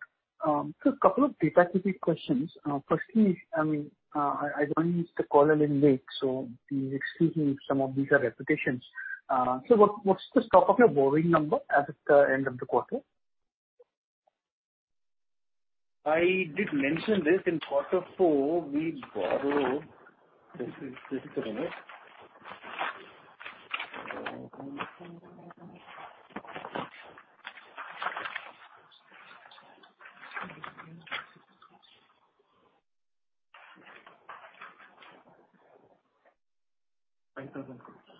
Just a couple of data-driven questions. Firstly, I joined this call a little late, please excuse me if some of these are repetitions. What's the stock of your borrowing number as of end of the quarter? I did mention this. In Q4 we borrowed... Just a minute. INR 5,000 crores incremental.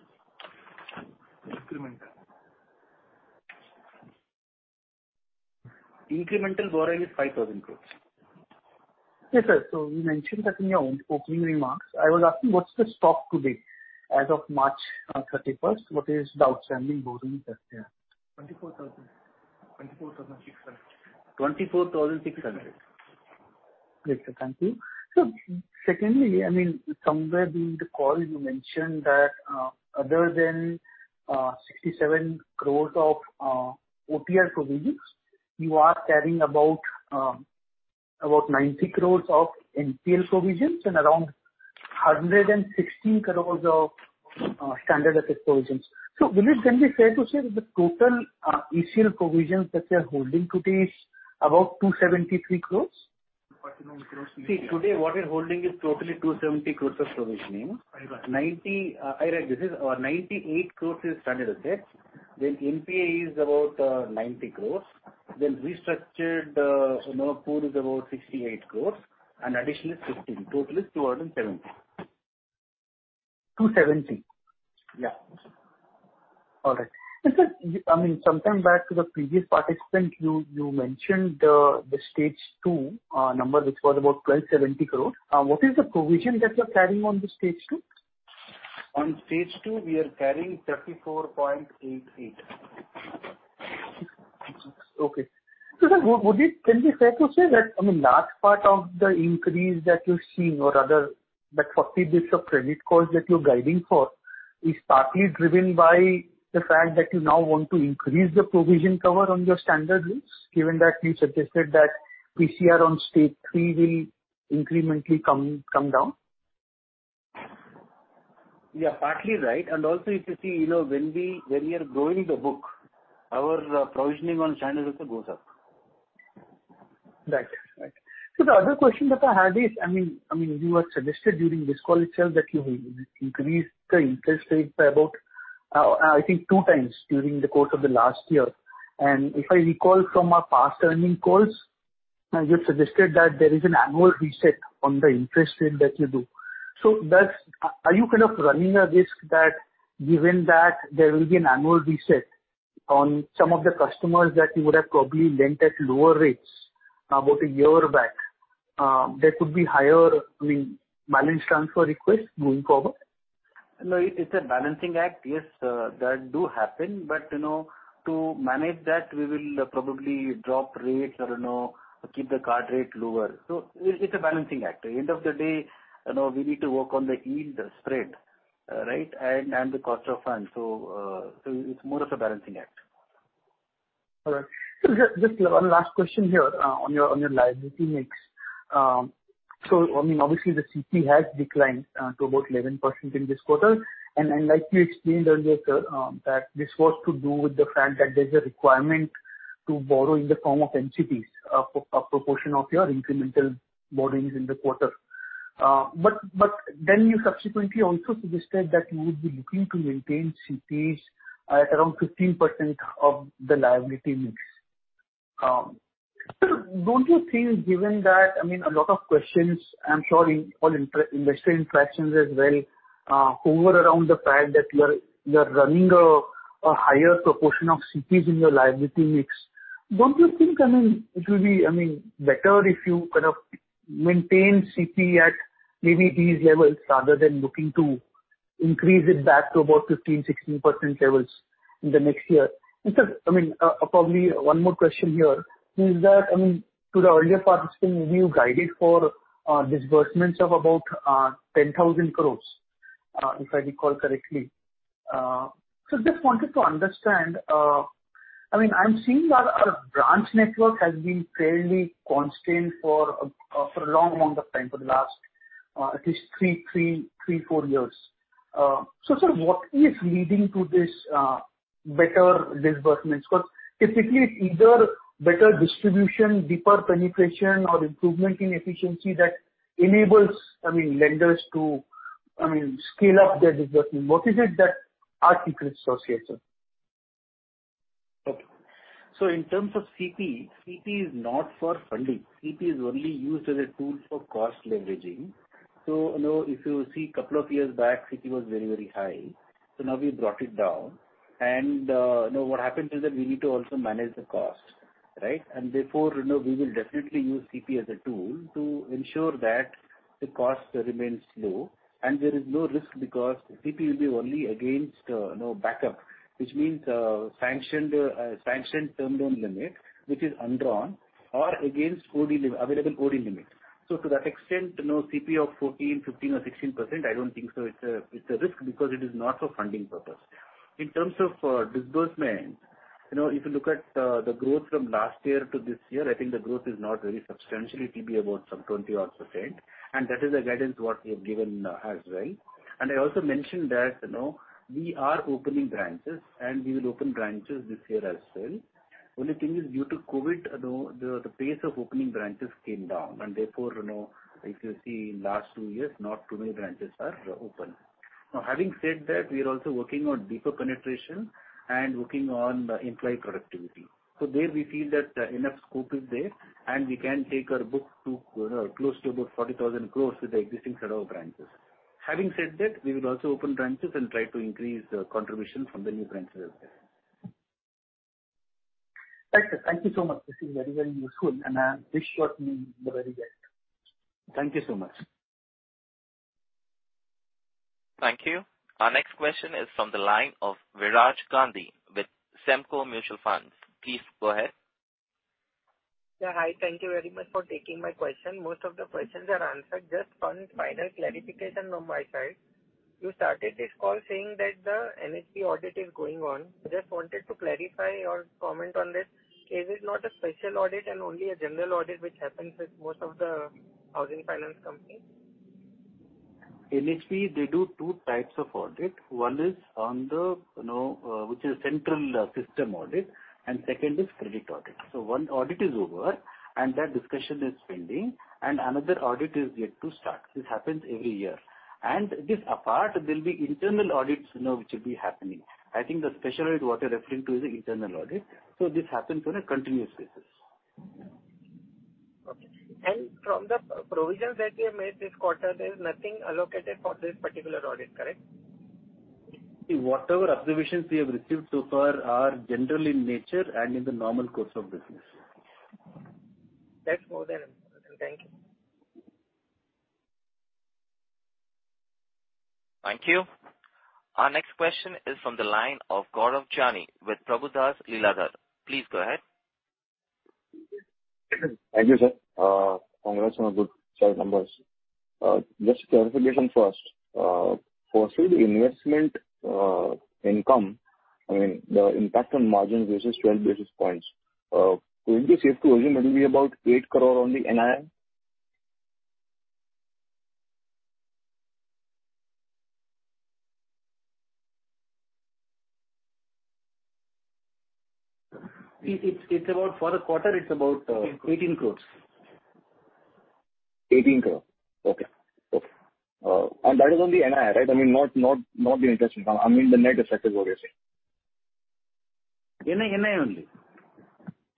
Incremental borrowing is 5,000 crores. Yes, sir. You mentioned that in your own opening remarks. I was asking what's the stock today as of March 31st? What is the outstanding borrowing that's there? 24,600. Yes, sir. Thank you. Secondly, somewhere during the call, you mentioned that, other than 67 crores of OTR provisions, you are carrying about 90 crores of NPL provisions and around 160 crores of standard asset provisions. Will it then be fair to say that the total ACL provisions that you are holding today is about 273 crores? Today what we're holding is totally 270 crores of provisioning. Right. This is 98 crores in standard assets. NPA is about 90 crores. Restructured pool is about 68 crores and additional is 15 crores, total is 270 crores. 270? Yes. All right. Sir, sometime back to the previous participant, you mentioned the stage 2 number, which was about 1,270 crores. What is the provision that you're carrying on this stage two? On stage two we are carrying 34.88%. Okay, sir, can it be fair to say that large part of the increase that you're seeing or that 40 basis of credit cost that you're guiding for is partly driven by the fact that you now want to increase the provision cover on your standard risk, given that you suggested that PCR on stage 3 will incrementally come down? You are partly right. Also, if you see, when we are growing the book, our provisioning on standard also goes up. The other question that I had is, you had suggested during this call itself that you have increased the interest rate by about, I think two times during the course of the last year. If I recall from our past earnings calls, you had suggested that there is an annual reset on the interest rate that you do. Are you running a risk that given that there will be an annual reset on some of the customers that you would have probably lent at lower rates about a year back, there could be higher balance transfer request going forward? No, it's a balancing act. That do happen. To manage that, we will probably drop rates or keep the card rate lower. It's a balancing act. At the end of the day, we need to work on the yield spread, and the cost of funds. It's more of a balancing act. All right. Just one last question here, on your liability mix. Obviously, the CP has declined to about 11% in this quarter. Like you explained earlier, sir, that this was to do with the fact that there's a requirement to borrow in the form of NCDs, a proportion of your incremental borrowings in the quarter. You subsequently also suggested that you would be looking to maintain CPs at around 15% of the liability mix. Sir, don't you think given that... A lot of questions, I'm sure in all investor interactions as well, hover around the fact that you're running a higher proportion of CPs in your liability mix. Don't you think it will be better if you maintain CP at maybe these levels rather than looking to increase it back to about 15%-16% levels in the next year? Sir, probably one more question here is that, to the earlier participant, maybe you guided for disbursements of about 10,000 crores, if I recall correctly. Just wanted to understand, I'm seeing our branch network has been fairly constant for a long amount of time, for the last at least three or four years. Sir, what is leading to this better disbursements? Because, typically, it's either better distribution, deeper penetration, or improvement in efficiency that enables lenders to scale up their disbursement. What are the critical aspects, sir? Okay. In terms of CP, CP is not for funding. CP is only used as a tool for cost leveraging. If you see couple of years back, CP was very, very high. Now we brought it down. What happens is that we need to also manage the cost. Therefore, we will definitely use CP as a tool to ensure that the cost remains low and there is no risk because CP will be only against backup, which means, sanctioned term loan limit, which is undrawn or against available OD limits. To that extent, CP of 14, 15 or 16%, I don't think it's a risk because it is not for funding purpose. In terms of disbursement, if you look at the growth from last year to this year, I think the growth is not very substantially, it will be about some 20-odd%, and that is the guidance what we have given, as well. I also mentioned that, we are opening branches and we will open branches this year as well. Only thing is due to COVID, the pace of opening branches came down and therefore, if you see in last two years, not too many branches are open. Now, having said that, we are also working on deeper penetration and working on the employee productivity. There we feel that enough scope is there and we can take our book to close to about 40,000 crores with the existing set of branches. Having said that, we will also open branches and try to increase contribution from the new branches as well. Sir. Thank you so much. This is very, very useful, and I wish you all the very best. Thank you so much. Thank you. Our next question is from the line of Viraj Gandhi with Samco Mutual Fund. Please go ahead. Hi. Thank you very much for taking my question. Most of the questions are answered. Just one final clarification from my side. You started this call saying that the NHB audit is going on. I just wanted to clarify or comment on this. Is it not a special audit and only a general audit which happens with most of the housing finance companies? NHB, they do two types of audit. One is which is central system audit, and second is credit audit. One audit is over and that discussion is pending, and another audit is yet to start. This happens every year. This apart, there will be internal audits which will be happening. I think the special audit what you're referring to is the internal audit, so this happens on a continuous basis. Okay. From the provisions that you have made this quarter, there's nothing allocated for this particular audit, correct? Whatever observations we have received so far are general in nature and in the normal course of business. That's more than. Thank you. Thank you. Our next question is from the line of Gaurav Jani with Prabhudas Lilladher. Please go ahead. Thank you, sir. Congrats on a good set of numbers. Just clarification first. For NCD investment, income, the impact on margins versus 12 basis points, will it be safe to assume it will be about 8 crores on the NIM? For the quarter, it's about 18 crores. 18 crores. Okay. That is on the NIM, right? Not the interest income. The net effect is what you're saying. NIM only.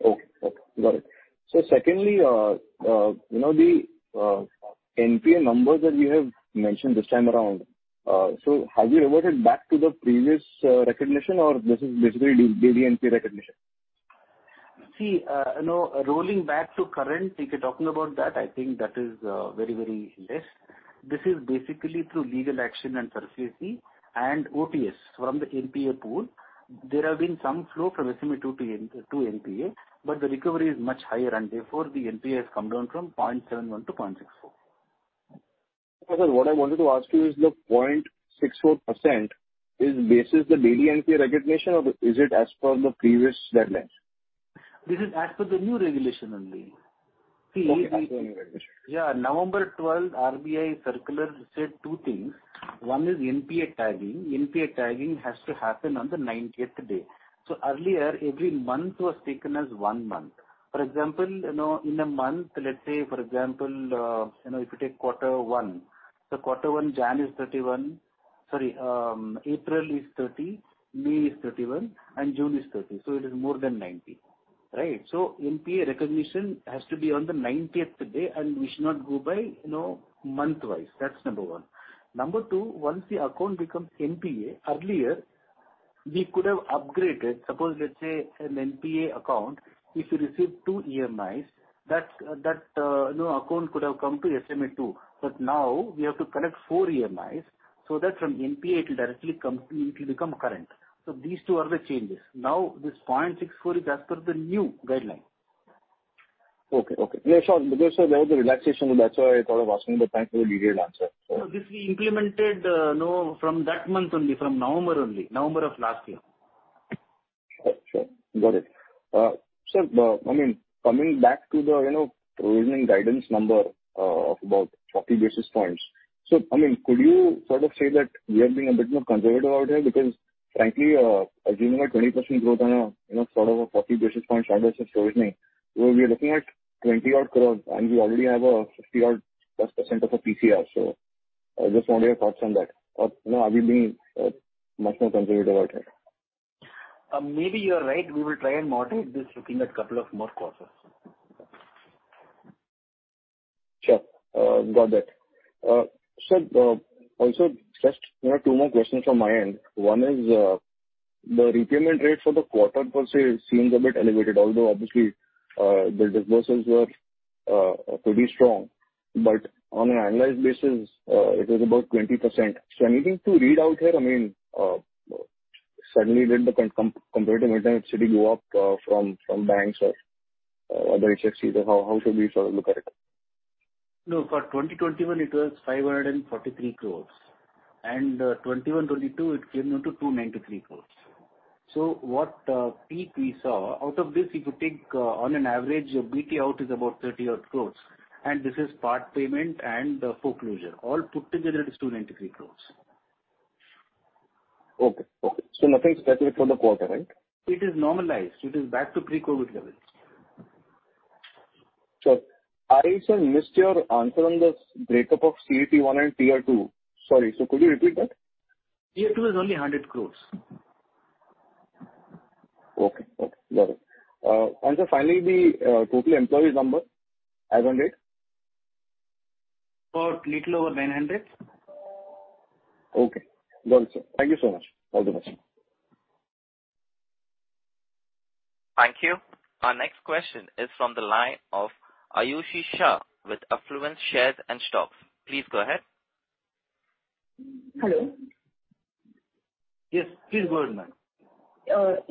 Okay. Got it. Secondly, the NPA numbers that you have mentioned this time around. Have you reverted back to the previous recognition, or is this basically daily NPA recognition? Rolling back to current, if you're talking about that, I think that is very, very less. This is basically through legal action and foreclosing and OTS from the NPA pool. There have been some flow from SMA-2 to NPA, but the recovery is much higher and therefore the NPA has come down from 0.71% to 0.64%. Sir. What I wanted to ask you is the 0.64%, is basis the daily NPA recognition or is it as per the previous deadline? This is as per the new regulation only. As per the new regulation? Yes. November 12, RBI circular said two things. One is NPA tagging. NPA tagging has to happen on the 90th day. Earlier, every month was taken as one month. For example, in a month, let's say for example, if you take Q1, Q1 January is 31. April is 30, May is 31, and June is 30, so it is more than 90. NPA recognition has to be on the 90th day and we should not go by month-wise. That's number one. Number two, once the account becomes NPA, earlier we could have upgraded. Suppose let's say an NPA account, if you receive two EMIs, that account could have come to SMA-2. Now we have to collect four EMIs so that from NPA it will directly come. It will become current. These two are the changes. Now this 0.64 is as per the new guideline. Okay. Yes, sure. Because there was a relaxation, so that's why I thought of asking, but thanks for the detailed answer. No, this we implemented from that month only, from November only. November of last year. Sure. Got it. Sir, I mean, coming back to the provisioning guidance number of about 40 basis points. Could you say that we are being a bit more conservative out here because frankly, assuming a 20% growth on a 40 basis point standard of provisioning, we'll be looking at 20-odd crores and we already have a 50%-odd-plus of a PCR. I just wanted your thoughts on that. Or are we being much more conservative out here? Maybe you are right. We will try and moderate this looking at couple of more quarters. Sure. Got that. Sir, also just two more questions from my end. One is, the repayment rate for the quarter per se seems a bit elevated, although obviously, the disbursements were, pretty strong. On an annualized basis, it was about 20%. Anything to read out here? Suddenly did the competitive advantage really go up, from banks or other SFIs or how should we sort of look at it? No, for 2021 it was 543 crores. 2021-2022, it came down to 293 crores. What peak we saw out of this, if you take on an average, BT out is about 30-odd crores. This is part payment and foreclosure. All put together is 293 crores. Okay. Nothing extraordinary for the quarter, right? It is normalized. It is back to pre-COVID levels. Sure. I also missed your answer on the breakup of CET1 and Tier 2. Sorry. Could you repeat that? Tier 2 is only 100 crores. Okay. Got it. Finally, the total employees number as on date? About a little over 900. Okay. Got it, sir. Thank you so much. Thank you. Our next question is from the line of Ayushi Shah with Affluence Shares and Stocks. Please go ahead. Hello. Yes, please go ahead, ma'am.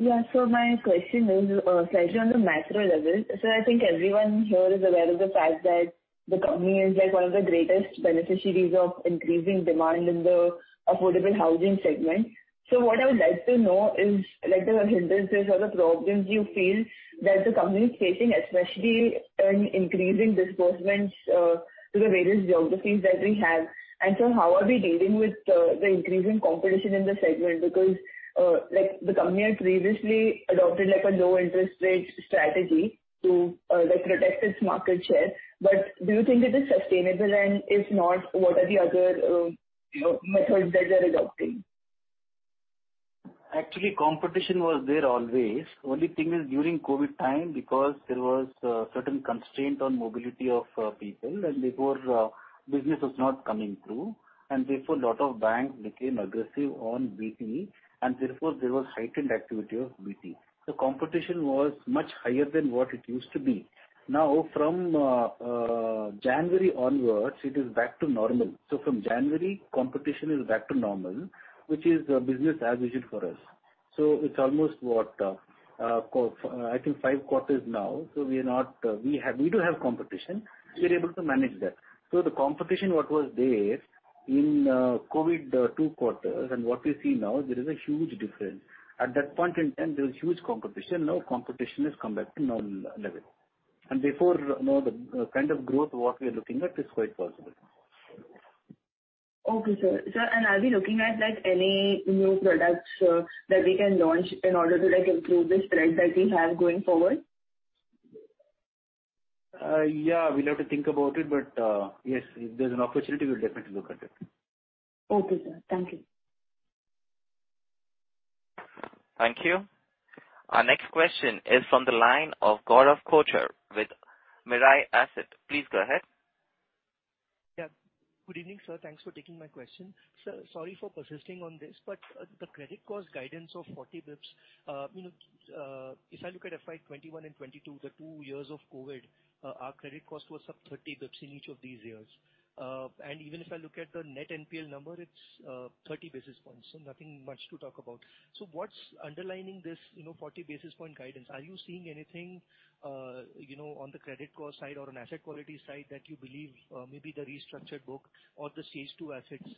My question is slightly on the macro level. I think everyone here is aware of the fact that the company is, like, one of the greatest beneficiaries of increasing demand in the affordable housing segment. What I would like to know is the hindrances or the problems you feel that the company is facing, especially in increasing disbursements to the various geographies that we have. How are we dealing with the increasing competition in the segment? Because the company had previously adopted a low interest rate strategy to protect its market share. Do you think it is sustainable? If not, what are the other methods that they're adopting? Actually, competition was there always. Only thing is, during COVID time, because there was a certain constraint on mobility of people, and therefore business was not coming through, and therefore a lot of banks became aggressive on BT, and therefore there was heightened activity of BT. The competition was much higher than what it used to be. Now, from January onwards, it is back to normal. From January, competition is back to normal, which is business as usual for us. It's almost what? I think five quarters now. We do have competition. We are able to manage that. The competition, what was there in COVID two quarters and what we see now, there is a huge difference. At that point in time, there was huge competition. Now competition has come back to normal levels. Therefore, the kind of growth we are looking at is quite possible. Okay, sir. Sir, are we looking at any new products that we can launch in order to improve the spread that we have going forward? Yes, we'll have to think about it, but yes, if there's an opportunity, we'll definitely look at it. Okay, sir. Thank you. Thank you. Our next question is from the line of Gaurav Kochar with Mirae Asset. Please go ahead. Yes. Good evening, sir. Thanks for taking my question. Sir, sorry for persisting on this, but the credit cost guidance of 40 basis points. If I look at FY 2021 and 2022, the two years of COVID, our credit cost was up 30 basis points in each of these years. Even if I look at the net NPA number, it's 30 basis points, so nothing much to talk about. What's underlining this 40 basis point guidance? Are you seeing anything on the credit cost side or on asset quality side that you believe, maybe the restructured book or the stage 2 assets,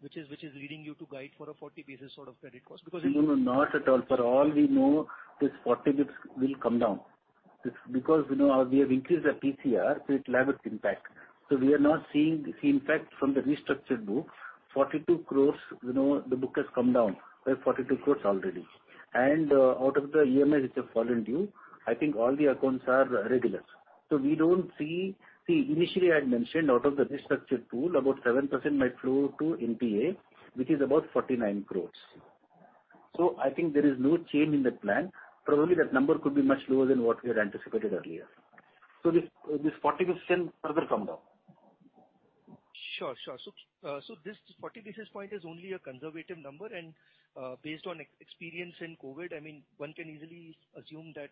which is leading you to guide for a 40 basis credit cost? No. Not at all. For all we know, this 40 basis points will come down. It's because we have increased our TCR, it will have its impact. We are not seeing the impact from the restructured book. 42 crores, the book has come down by 42 crores already. Out of the EMIs which have fallen due, I think all the accounts are regular. We don't see. Initially I had mentioned out of the restructured pool, about 7% might flow to NPA, which is about 49 crores. I think there is no change in the plan. Probably that number could be much lower than what we had anticipated earlier. This 40 basis points can further come down. Sure. This 40 basis point is only a conservative number and, based on experience in COVID, I mean, one can easily assume that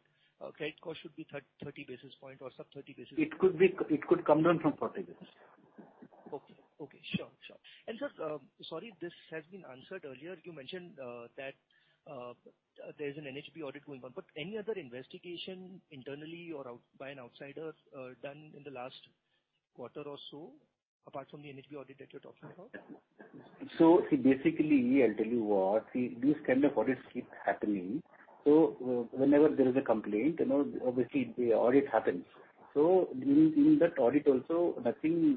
credit cost should be 30 basis point or sub 30 basis point. It could come down from 40 basis. Okay, sure. Sir, sorry, this has been answered earlier. You mentioned that there is an NHB audit going on, but any other investigation internally or by an outsider done in the last quarter or so, apart from the NHB audit that you're talking about? Basically, I'll tell you what. These kind of audits keep happening. Whenever there is a complaint, obviously the audit happens. During that audit also nothing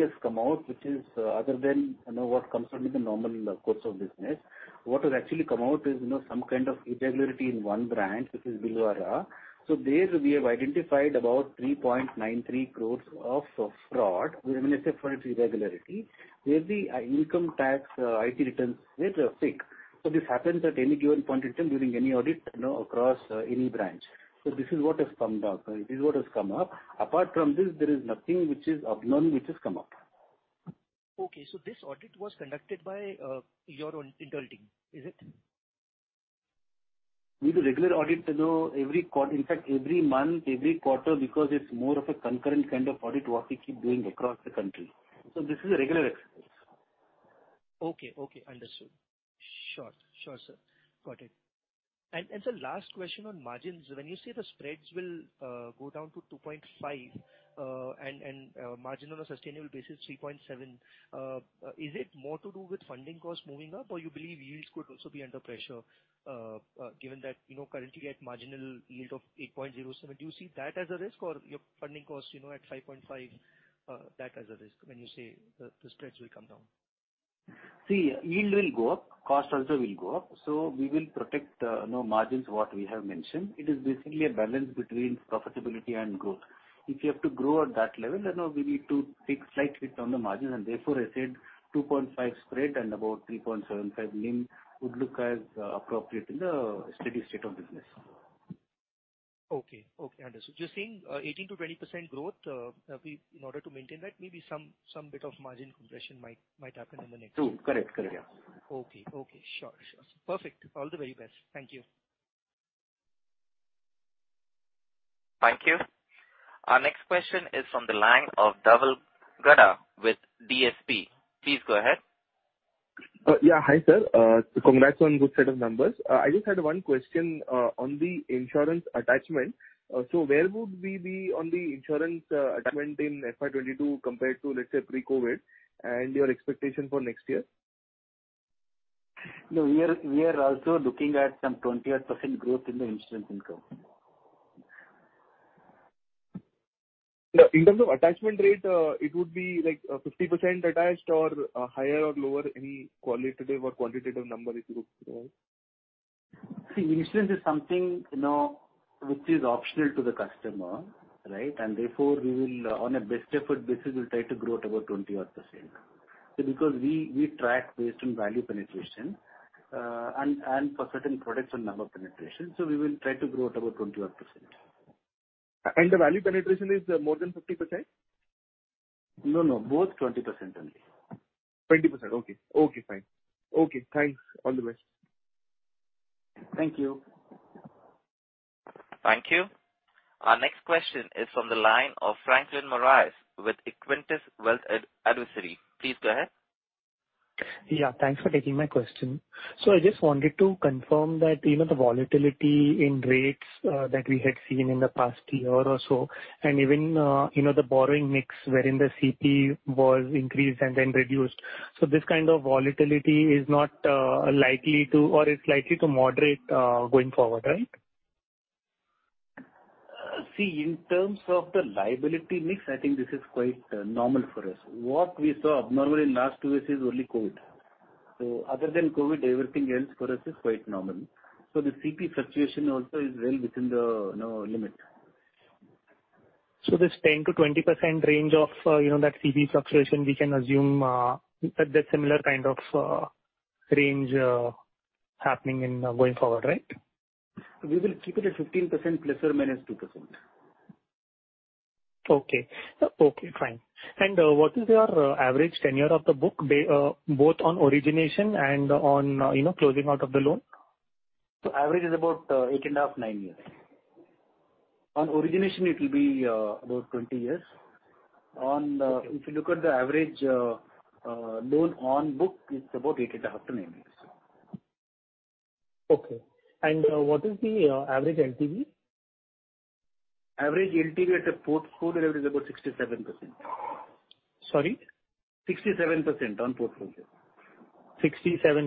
has come out, which is other than what comes under the normal course of business. What has actually come out is some irregularity in one branch, which is Bhilwara. There we have identified about 3.93 crores of fraud. We're going to say for it's irregularity. Where the income tax IT returns were fake. This happens at any given point in time during any audit across any branch. This is what has come up. Apart from this, there is nothing which is unknown which has come up. Okay. This audit was conducted by your own internal team, is it? We do regular audit, in fact, every month, every quarter, because it's more of a concurrent audit what we keep doing across the country. This is a regular exercise. Okay, understood. Sure, sir. Got it. Sir, last question on margins. When you say the spreads will go down to 2.5%, and margin on a sustainable basis 3.7%, is it more to do with funding costs moving up, or you believe yields could also be under pressure, given that currently at marginal yield of 8.07%. Do you see that as a risk or your funding costs at 5.5%, that as a risk when you say the spreads will come down? Yield will go up, cost also will go up. We will protect margins what we have mentioned. It is basically a balance between profitability and growth. If you have to grow at that level, we need to take slight hit on the margins and therefore I said 2.5% spread and about 3.75% NIM would look as appropriate in the steady state of business. Okay, understood. You're saying 18%-20% growth. In order to maintain that, maybe some bit of margin compression might happen in the next year. True. Correct. Okay. Sure. Perfect. All the very best. Thank you. Thank you. Our next question is from the line of Dhaval Gada with DSP. Please go ahead. Hi, sir. Congrats on good set of numbers. I just had one question on the insurance attachment. Where would we be on the insurance attachment in FY 2022 compared to pre-COVID, and your expectation for next year? No. We are also looking at some 20%-odd growth in the insurance income. Yes, in terms of attachment rate, it would be 50% attached or higher or lower? Any qualitative or quantitative number if you could provide? Insurance is something which is optional to the customer. Therefore we will, on a best effort basis, try to grow at about 20%-odd because we track based on value penetration, and for certain products on number penetration, we will try to grow at about 20%-odd. The value penetration is more than 50%? No. Both 20% only. 20%. Okay, fine. Okay, thanks. All the best. Thank you. Thank you. Our next question is from the line of Franklin Moraes with Equentis Wealth Advisory. Please go ahead. Thanks for taking my question. I just wanted to confirm that even the volatility in rates that we had seen in the past year or so, and even the borrowing mix wherein the CP was increased and then reduced. This kind of volatility is not likely to or is likely to moderate going forward, right? In terms of the liability mix, I think this is quite normal for us. What we saw abnormal in last two years is only COVID. Other than COVID, everything else for us is quite normal. The CP fluctuation also is well within the limit. This 10%-20% range of that CP fluctuation, we can assume that similar range happening going forward, right? We will keep it at 15% ± 2%. Okay, fine. What is your average tenure of the book by both on origination and on closing out of the loan? Average is about 8.5-9 years. On origination it will be about 20 years. Okay. If you look at the average loan on book, it's about 8.5-9 years. Okay. What is the average LTV? Average LTV at a portfolio level is about 67%. Sorry? 67% on portfolio. 67%.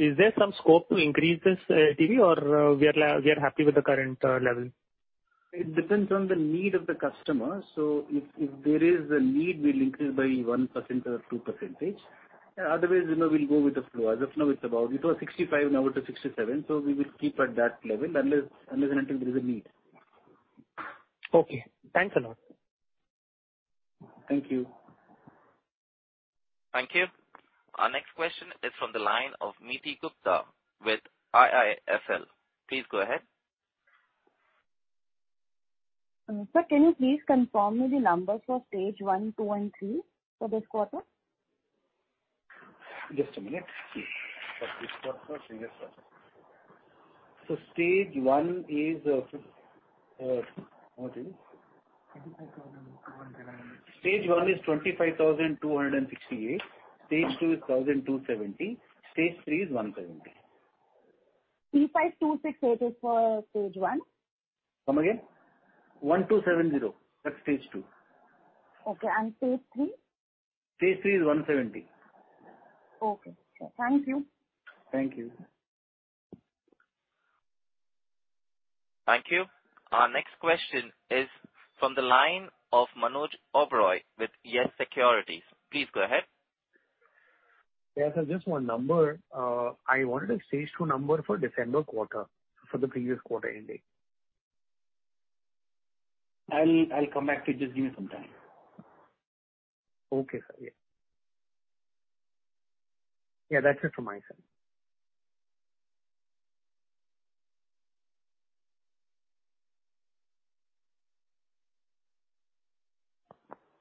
Is there some scope to increase this LTV or we are happy with the current level? It depends on the need of the customer. If there is a need, we'll increase by 1% or 2%. Otherwise, we'll go with the flow. As of now, it was 65%, now it is 67%, so we will keep at that level unless and until there is a need. Okay. Thanks a lot. Thank you. Thank you. Our next question is from the line of Niti Gupta with IIFL. Please go ahead. Sir, can you please confirm me the numbers for stage 1, 2, and 3 for this quarter? Just a minute, please. For this quarter or previous quarter? Stage 1 is, what is it? Stage 1 is 25,268. Stage 2 is 1,270. Stage 3 is 170. 35268 is for stage 1? Come again. 1270, that's stage 2. Okay. Stage 3? Stage 3 is 170. Okay. Thank you. Thank you. Thank you. Our next question is from the line of Manoj Oberoi with Yes Securities. Please go ahead. Yes, just one number. I wanted a Stage 2 number for December quarter, for the previous quarter ending. I'll come back to you. Just give me some time. Okay, sir. Yes, that's it from my side.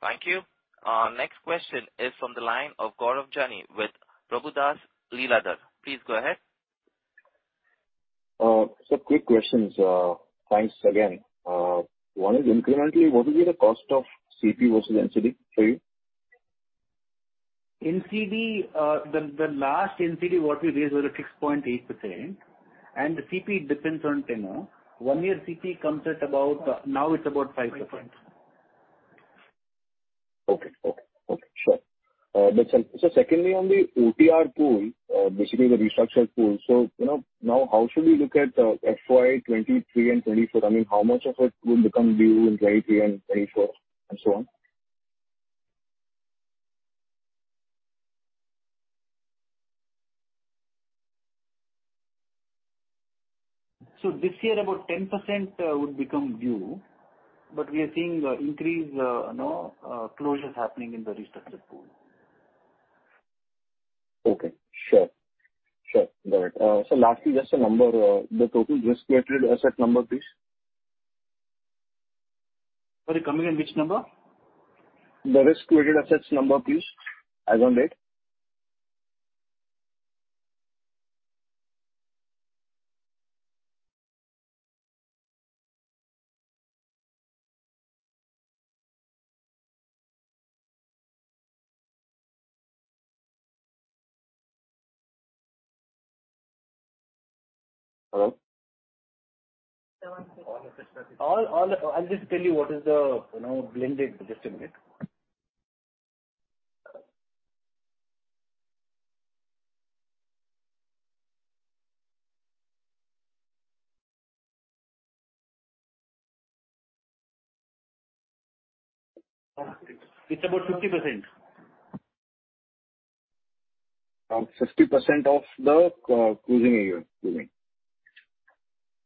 Thank you. Our next question is from the line of Gaurav Jani with Prabhudas Lilladher. Please go ahead. Some quick questions. Thanks again. One is incrementally, what will be the cost of CP versus NCD for you? The last NCD what we raised was at 6.8%, and the CP depends on tenure. One year CP comes at about... Now it's about 5%. Okay. Sure. That's it. Secondly, on the OTR pool, basically the restructured pool, now, how should we look at FY 2023 and 2024? How much of it will become due in 2023 and 2024, and so on? This year about 10% would become due, but we are seeing increase closures happening in the restructured pool. Okay, sure. Got it. Lastly, just a number, the total risk-weighted asset number, please. Sorry, coming in which number? The risk-weighted assets number, please, as on date. Hello? I'll just tell you what is the blended. Just a minute. It's about 50%. 50% of the. [inaudible] Excuse me.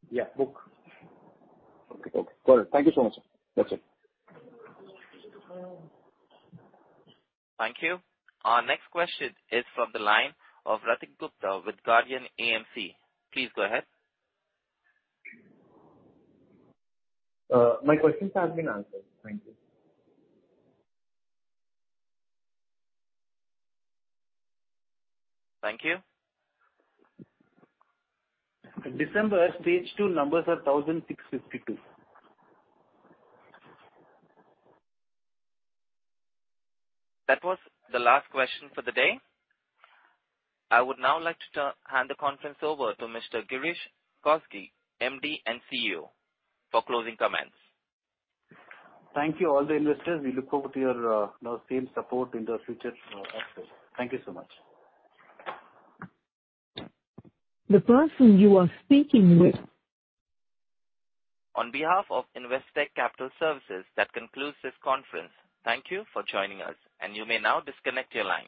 Yes, book. Okay. Got it. Thank you so much, sir. That's it. Thank you. Our next question is from the line of Radhika Gupta with Guardian AMC. Please go ahead. My questions have been answered. Thank you. Thank you. December Stage 2 numbers are 1,652. That was the last question for the day. I would now like to hand the conference over to Mr. Girish Kousgi, MD and CEO, for closing comments. Thank you, all the investors. We look forward to your same support in the future also. Thank you so much. On behalf of Investec Capital Services, that concludes this conference. Thank you for joining us and you may now disconnect your line.